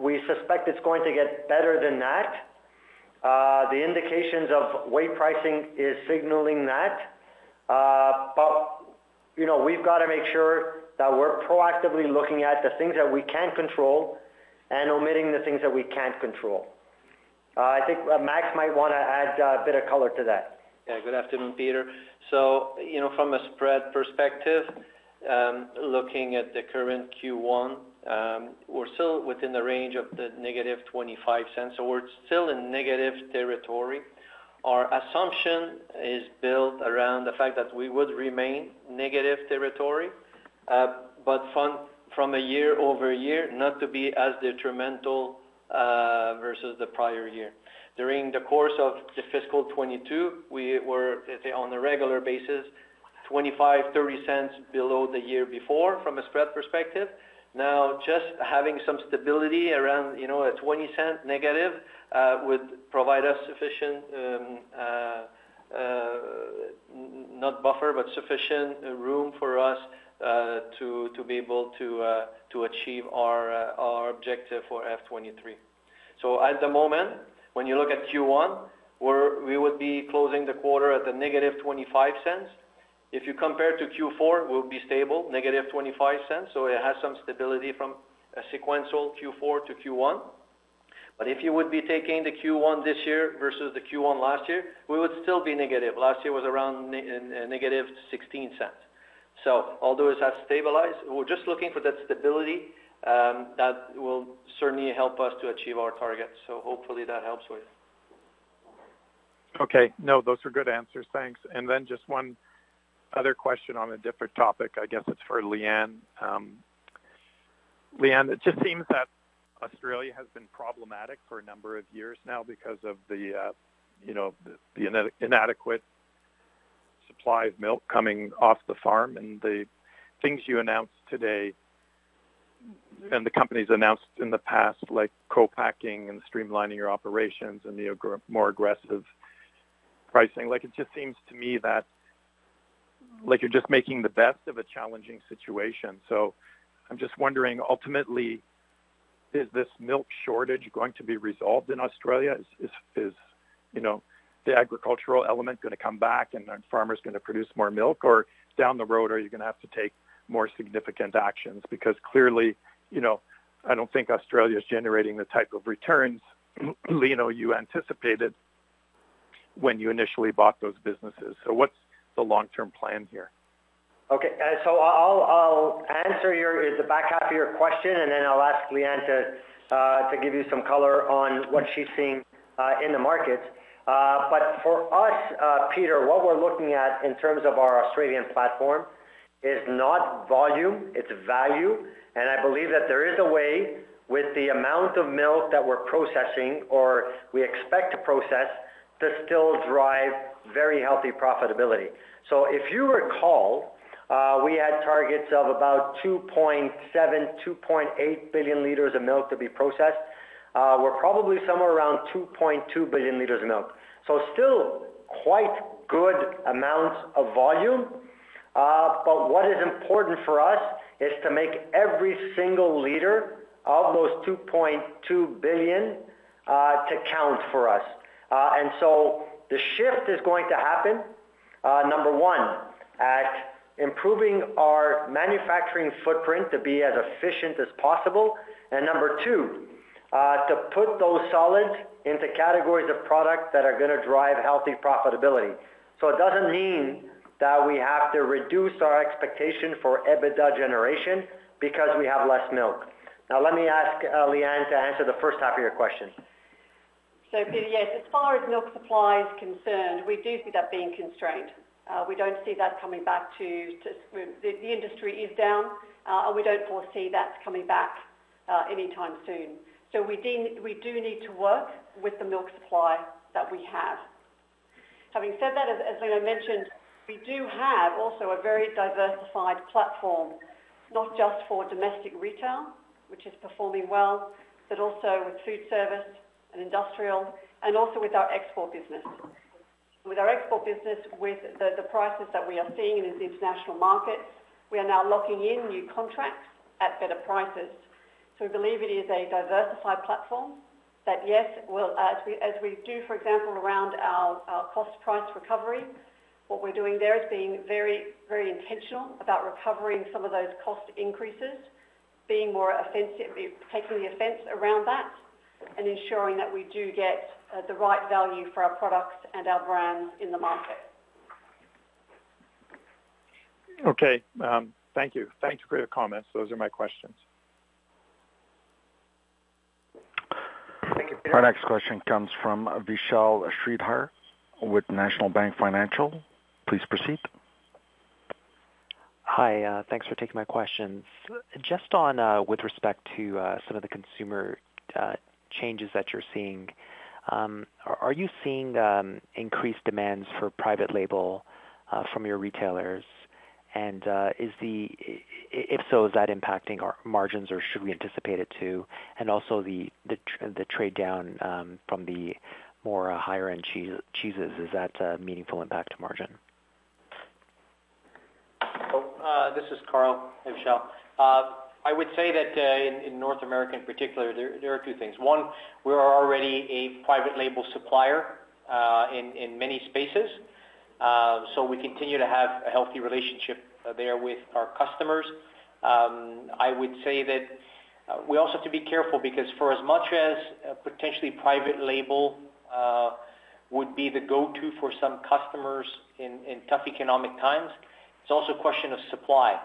We suspect it's going to get better than that. The indications of whey pricing is signaling that. You know, we've got to make sure that we're proactively looking at the things that we can control and omitting the things that we can't control. I think Max might wanna add a bit of color to that. Yeah. Good afternoon, Peter. You know, from a spread perspective, looking at the current Q1, we're still within the range of the -$0.25, so we're still in negative territory. Our assumption is built around the fact that we would remain negative territory, but from a year-over-year, not to be as detrimental versus the prior year. During the course of the fiscal 2022, we were, let's say, on a regular basis, $0.25, $0.30 below the year before from a spread perspective. Now, just having some stability around, you know, a -$0.20, would provide us sufficient, not buffer, but sufficient room for us to be able to achieve our objective for FY 2023. At the moment, when you look at Q1, we would be closing the quarter at -0.25. If you compare to Q4, we'll be stable, -0.25. It has some stability from a sequential Q4 to Q1. If you would be taking the Q1 this year versus the Q1 last year, we would still be negative. Last year was around -0.16. Although that's stabilized, we're just looking for that stability that will certainly help us to achieve our targets. Hopefully that helps with. Okay. No, those are good answers. Thanks. Then just one other question on a different topic. I guess it's for Leanne. Leanne, it just seems that Australia has been problematic for a number of years now because of the, you know, the inadequate supply of milk coming off the farm and the things you announced today, and the company's announced in the past, like co-packing and streamlining your operations and the more aggressive pricing. Like, it just seems to me that, like, you're just making the best of a challenging situation. I'm just wondering, ultimately, is this milk shortage going to be resolved in Australia? Is, you know, the agricultural element gonna come back and then farmers gonna produce more milk? Or down the road, are you gonna have to take more significant actions? Because clearly, you know, I don't think Australia is generating the type of returns, you know, you anticipated when you initially bought those businesses. What's the long-term plan here? Okay, I'll answer the back half of your question, and then I'll ask Leanne to give you some color on what she's seeing in the markets. For us, Peter, what we're looking at in terms of our Australian platform is not volume, it's value. I believe that there is a way with the amount of milk that we're processing or we expect to process to still drive very healthy profitability. If you recall, we had targets of about 2.7, 2.8 billion liters of milk to be processed. We're probably somewhere around 2.2 billion liters of milk. Still quite good amounts of volume. What is important for us is to make every single liter of those 2.2 billion to count for us. The shift is going to happen, number one, at improving our manufacturing footprint to be as efficient as possible. Number two, to put those solids into categories of products that are gonna drive healthy profitability. It doesn't mean that we have to reduce our expectation for EBITDA generation because we have less milk. Now, let me ask Leanne to answer the first half of your question. Peter, yes, as far as milk supply is concerned, we do see that being constrained. We don't see that coming back. The industry is down, and we don't foresee that coming back anytime soon. We do need to work with the milk supply that we have. Having said that, as Lino mentioned, we do have also a very diversified platform, not just for domestic retail, which is performing well, but also with food service and industrial, and also with our export business. With our export business, with the prices that we are seeing in the international markets, we are now locking in new contracts at better prices. We believe it is a diversified platform that, yes, as we do, for example, around our cost price recovery, what we're doing there is being very, very intentional about recovering some of those cost increases, being more offensive, taking the offense around that and ensuring that we do get the right value for our products and our brands in the market. Okay. Thank you. Thanks for your comments. Those are my questions. Our next question comes from Vishal Shreedhar with National Bank Financial. Please proceed. Hi, thanks for taking my questions. Just on, with respect to, some of the consumer changes that you're seeing, are you seeing increased demands for private label from your retailers? If so, is that impacting our margins or should we anticipate it to? Also the trade down from the more higher-end cheeses, is that a meaningful impact to margin? Well, this is Carl Colizza. Hey, Vishal Shreedhar. I would say that in North America in particular, there are two things. One, we are already a private label supplier in many spaces. So we continue to have a healthy relationship there with our customers. I would say that we also have to be careful because for as much as potentially private label would be the go-to for some customers in tough economic times, it's also a question of supply.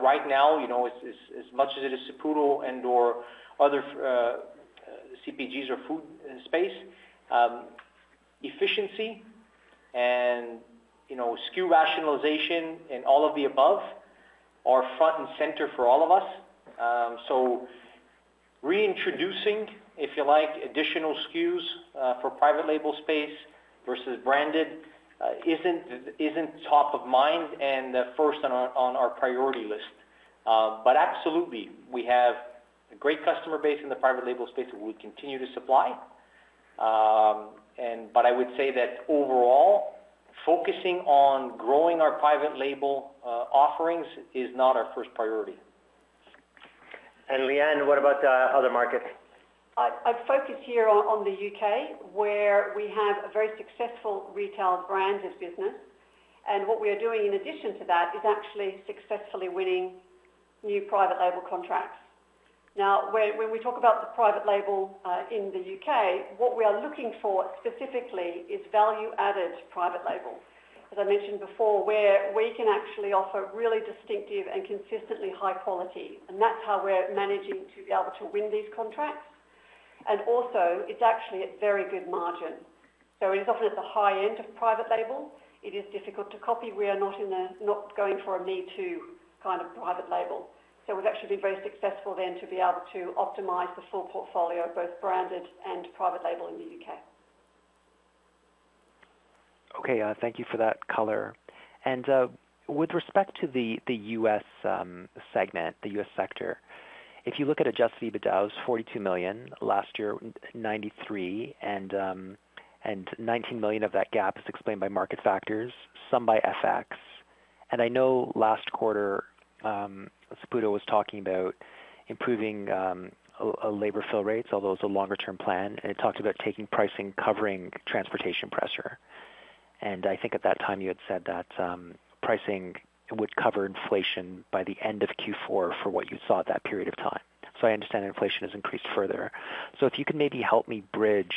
Right now, you know, as much as it is Saputo and/or other CPGs or food space, efficiency and, you know, SKU rationalization and all of the above are front and center for all of us. Reintroducing, if you like, additional SKUs for private label space versus branded isn't top of mind and first on our priority list. Absolutely, we have a great customer base in the private label space that we continue to supply. I would say that overall, focusing on growing our private label offerings is not our first priority. Leanne, what about the other markets? I'd focus here on the U.K., where we have a very successful retail branded business. What we are doing in addition to that is actually successfully winning new private label contracts. Now, when we talk about the private label in the U.K., what we are looking for specifically is value-added private label. As I mentioned before, where we can actually offer really distinctive and consistently high quality, and that's how we're managing to be able to win these contracts. Also, it's actually at very good margin. It's often at the high end of private label, it is difficult to copy. We are not going for a me too kind of private label. We've actually been very successful then to be able to optimize the full portfolio, both branded and private label in the U.K. Okay. Thank you for that color. With respect to the U.S. segment, the U.S. sector, if you look at adjusted EBITDA, $42 million last year, $93 million, and $19 million of that gap is explained by market factors, some by FX. I know last quarter, Saputo was talking about improving labor fill rates, although it's a longer-term plan, and it talked about taking pricing, covering transportation pressure. I think at that time, you had said that pricing would cover inflation by the end of Q4 for what you saw at that period of time. I understand inflation has increased further. If you can maybe help me bridge,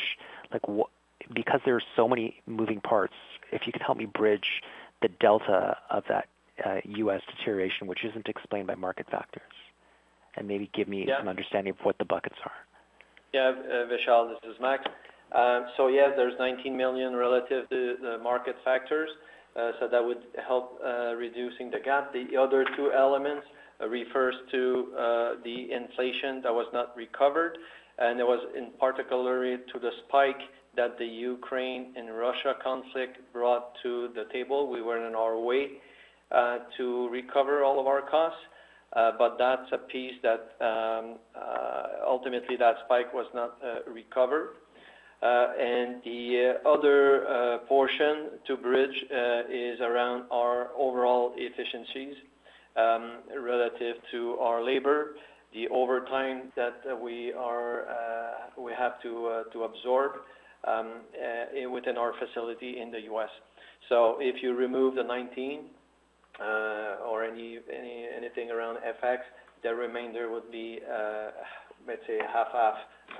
like, what... Because there are so many moving parts, if you could help me bridge the delta of that, U.S. deterioration, which isn't explained by market factors, and maybe give me- Yeah. Some understanding of what the buckets are. Vishal, this is Max. So there's 19 million relative to the market factors. So that would help reducing the gap. The other two elements refers to the inflation that was not recovered, and it was in particular to the spike that the Ukraine and Russia conflict brought to the table. We were on our way to recover all of our costs, but that's a piece that ultimately that spike was not recovered. The other portion to bridge is around our overall efficiencies relative to our labor, the overtime that we have to absorb within our facility in the U.S. So if you remove the 19 or anything around FX, the remainder would be let's say half-half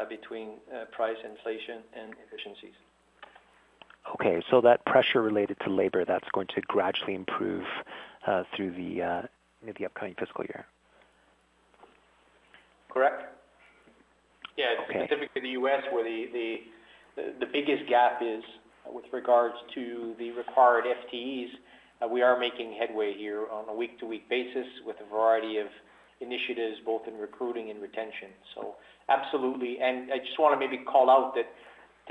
between price inflation and efficiencies. Okay. That pressure related to labor, that's going to gradually improve through the maybe upcoming fiscal year? Correct. Yeah. Okay. Specifically the U.S., where the biggest gap is with regards to the required FTEs, we are making headway here on a week-to-week basis with a variety of initiatives, both in recruiting and retention. Absolutely. I just wanna maybe call out that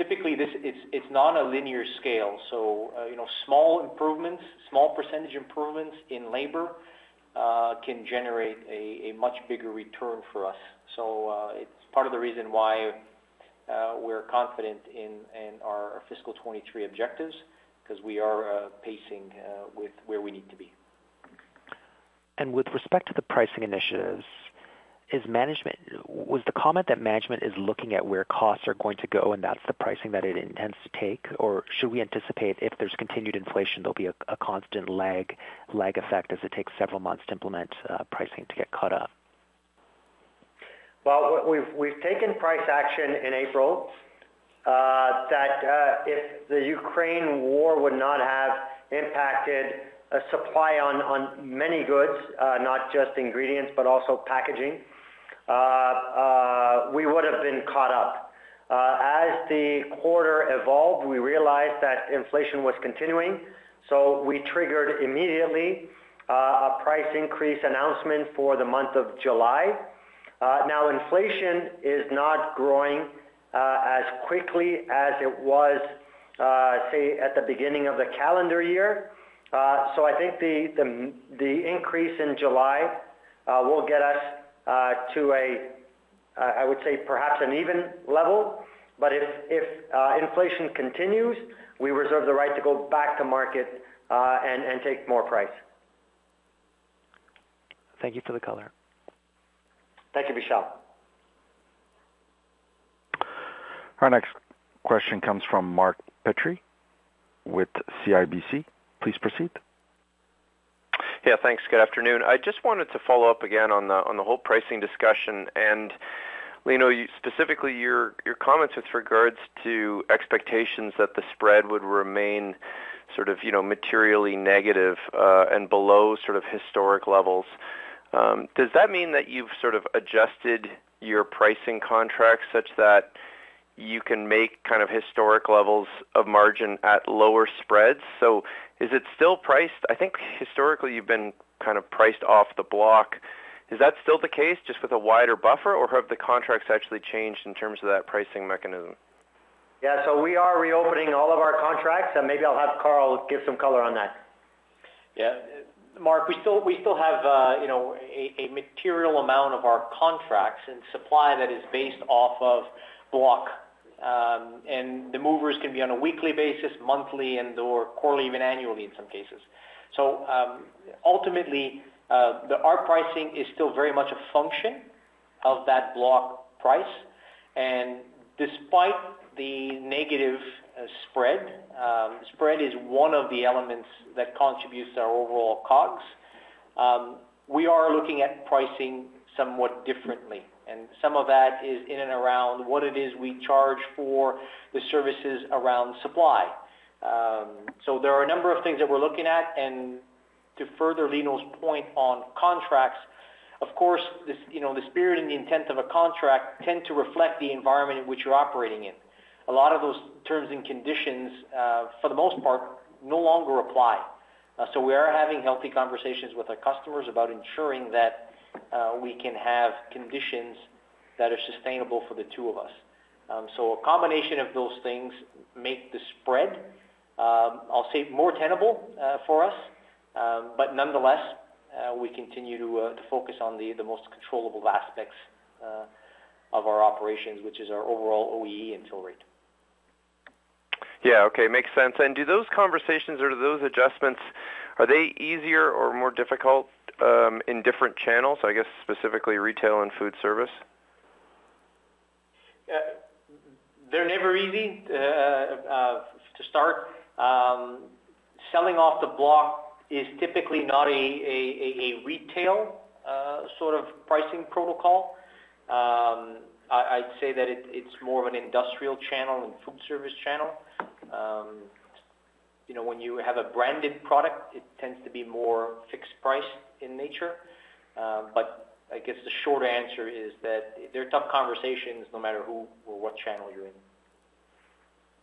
typically this is not a linear scale. You know, small improvements, small percentage improvements in labor can generate a much bigger return for us. It's part of the reason why we're confident in our fiscal 2023 objectives, 'cause we are pacing with where we need to be. Was the comment that management is looking at where costs are going to go, and that's the pricing that it intends to take? Or should we anticipate if there's continued inflation, there'll be a constant lag effect as it takes several months to implement pricing to get caught up? Well, what we've taken price action in April. If the Ukraine war would not have impacted the supply of many goods, not just ingredients, but also packaging, we would have been caught up. As the quarter evolved, we realized that inflation was continuing, so we triggered immediately a price increase announcement for the month of July. Now inflation is not growing as quickly as it was, say at the beginning of the calendar year. So I think the increase in July will get us to an even level, I would say perhaps. If inflation continues, we reserve the right to go back to market and take more price. Thank you for the color. Thank you, Vishal. Our next question comes from Mark Petrie with CIBC World Markets. Please proceed. Yeah, thanks. Good afternoon. I just wanted to follow up again on the whole pricing discussion, and you know, specifically your comments with regards to expectations that the spread would remain sort of you know, materially negative and below sort of historic levels. Does that mean that you've sort of adjusted your pricing contracts such that you can make kind of historic levels of margin at lower spreads? Is it still priced? I think historically you've been kind of priced off the block. Is that still the case just with a wider buffer, or have the contracts actually changed in terms of that pricing mechanism? Yeah. We are reopening all of our contracts, and maybe I'll have Carl give some color on that. Yeah. Mark, we still have a material amount of our contracts and supply that is based off of block. The movers can be on a weekly basis, monthly, and/or quarterly, even annually in some cases. Ultimately, our pricing is still very much a function of that block price. Despite the negative spread is one of the elements that contributes to our overall COGS. We are looking at pricing somewhat differently, and some of that is in and around what it is we charge for the services around supply. There are a number of things that we're looking at. To further Lino's point on contracts, of course, the spirit and the intent of a contract tend to reflect the environment in which you're operating in. A lot of those terms and conditions, for the most part, no longer apply. We are having healthy conversations with our customers about ensuring that we can have conditions that are sustainable for the two of us. A combination of those things make the spread, I'll say, more tenable for us. Nonetheless, we continue to focus on the most controllable aspects of our operations, which is our overall OEE and fill rate. Yeah. Okay. Makes sense. Do those conversations or those adjustments, are they easier or more difficult in different channels? I guess specifically retail and food service. They're never easy to start. Selling off the block is typically not a retail sort of pricing protocol. I'd say that it's more of an industrial channel and food service channel. You know, when you have a branded product, it tends to be more fixed price in nature. I guess the short answer is that they're tough conversations no matter who or what channel you're in.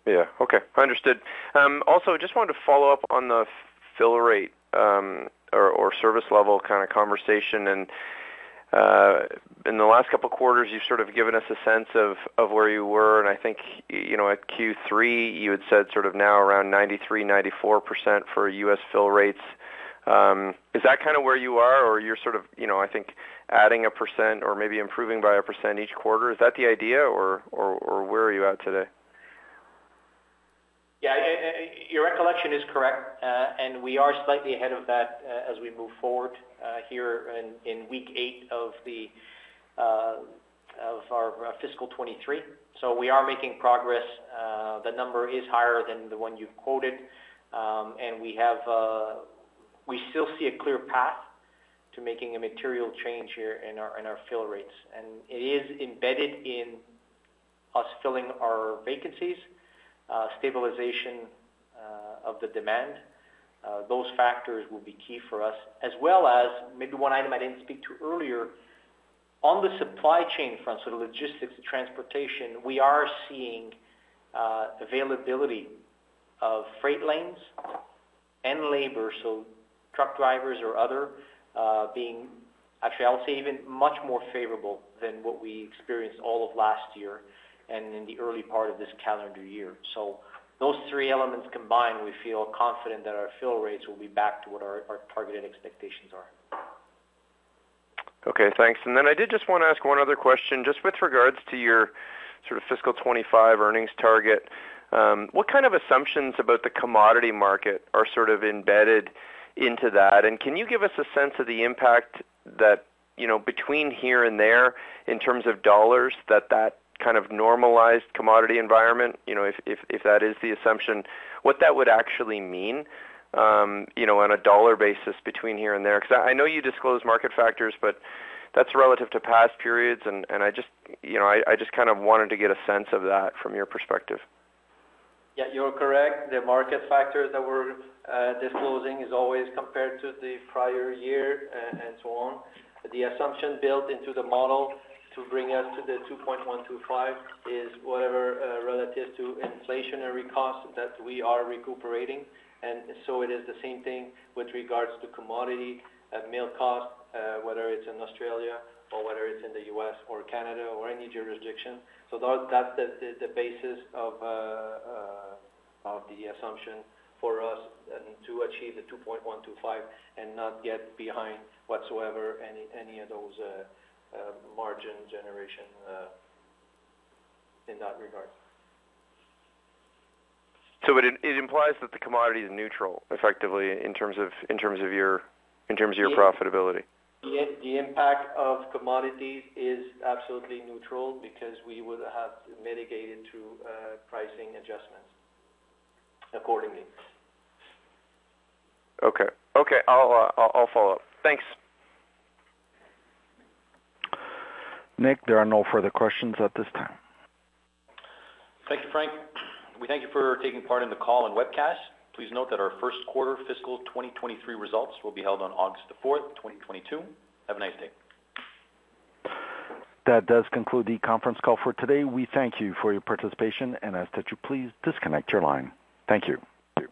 Yeah. Okay. Understood. Also, I just wanted to follow up on the fill rate, or service level kind of conversation. In the last couple of quarters, you've sort of given us a sense of where you were. I think, you know, at Q3, you had said sort of now around 93%, 94% for U.S. fill rates. Is that kind of where you are or you're sort of, you know, I think adding a percent or maybe improving by a percent each quarter? Is that the idea or where are you at today? Yeah, your recollection is correct, and we are slightly ahead of that, as we move forward, here in week eight of our fiscal 2023. We are making progress. The number is higher than the one you've quoted. We still see a clear path to making a material change here in our fill rates. It is embedded in us filling our vacancies, stabilization of the demand. Those factors will be key for us as well as maybe one item I didn't speak to earlier. On the supply chain front, so the logistics, the transportation, we are seeing availability of freight lanes and labor, so truck drivers or other, being. Actually, I'll say even much more favorable than what we experienced all of last year and in the early part of this calendar year. Those three elements combined, we feel confident that our fill rates will be back to what our targeted expectations are. Okay, thanks. I did just wanna ask one other question. Just with regards to your sort of fiscal 2025 earnings target, what kind of assumptions about the commodity market are sort of embedded into that? Can you give us a sense of the impact that, you know, between here and there in terms of dollars, that kind of normalized commodity environment, you know, if that is the assumption, what that would actually mean, you know, on a dollar basis between here and there? 'Cause I know you disclose market factors, but that's relative to past periods, and I just, you know, I just kind of wanted to get a sense of that from your perspective. Yeah, you're correct. The market factors that we're disclosing is always compared to the prior year and so on. The assumption built into the model to bring us to the 2.125% is whatever relative to inflationary costs that we are recuperating. It is the same thing with regards to commodity mill cost whether it's in Australia or whether it's in the U.S. or Canada or any jurisdiction. That, that's the basis of the assumption for us and to achieve the 2.125% and not get behind whatsoever any of those margin generation in that regard. It implies that the commodity is neutral effectively in terms of your profitability. The impact of commodities is absolutely neutral because we would have mitigated through pricing adjustments accordingly. Okay, I'll follow up. Thanks. Nick, there are no further questions at this time. Thank you, Frank. We thank you for taking part in the call and webcast. Please note that our first quarter fiscal 2023 results will be held on August 4th, 2022. Have a nice day. That does conclude the conference call for today. We thank you for your participation and ask that you please disconnect your line. Thank you.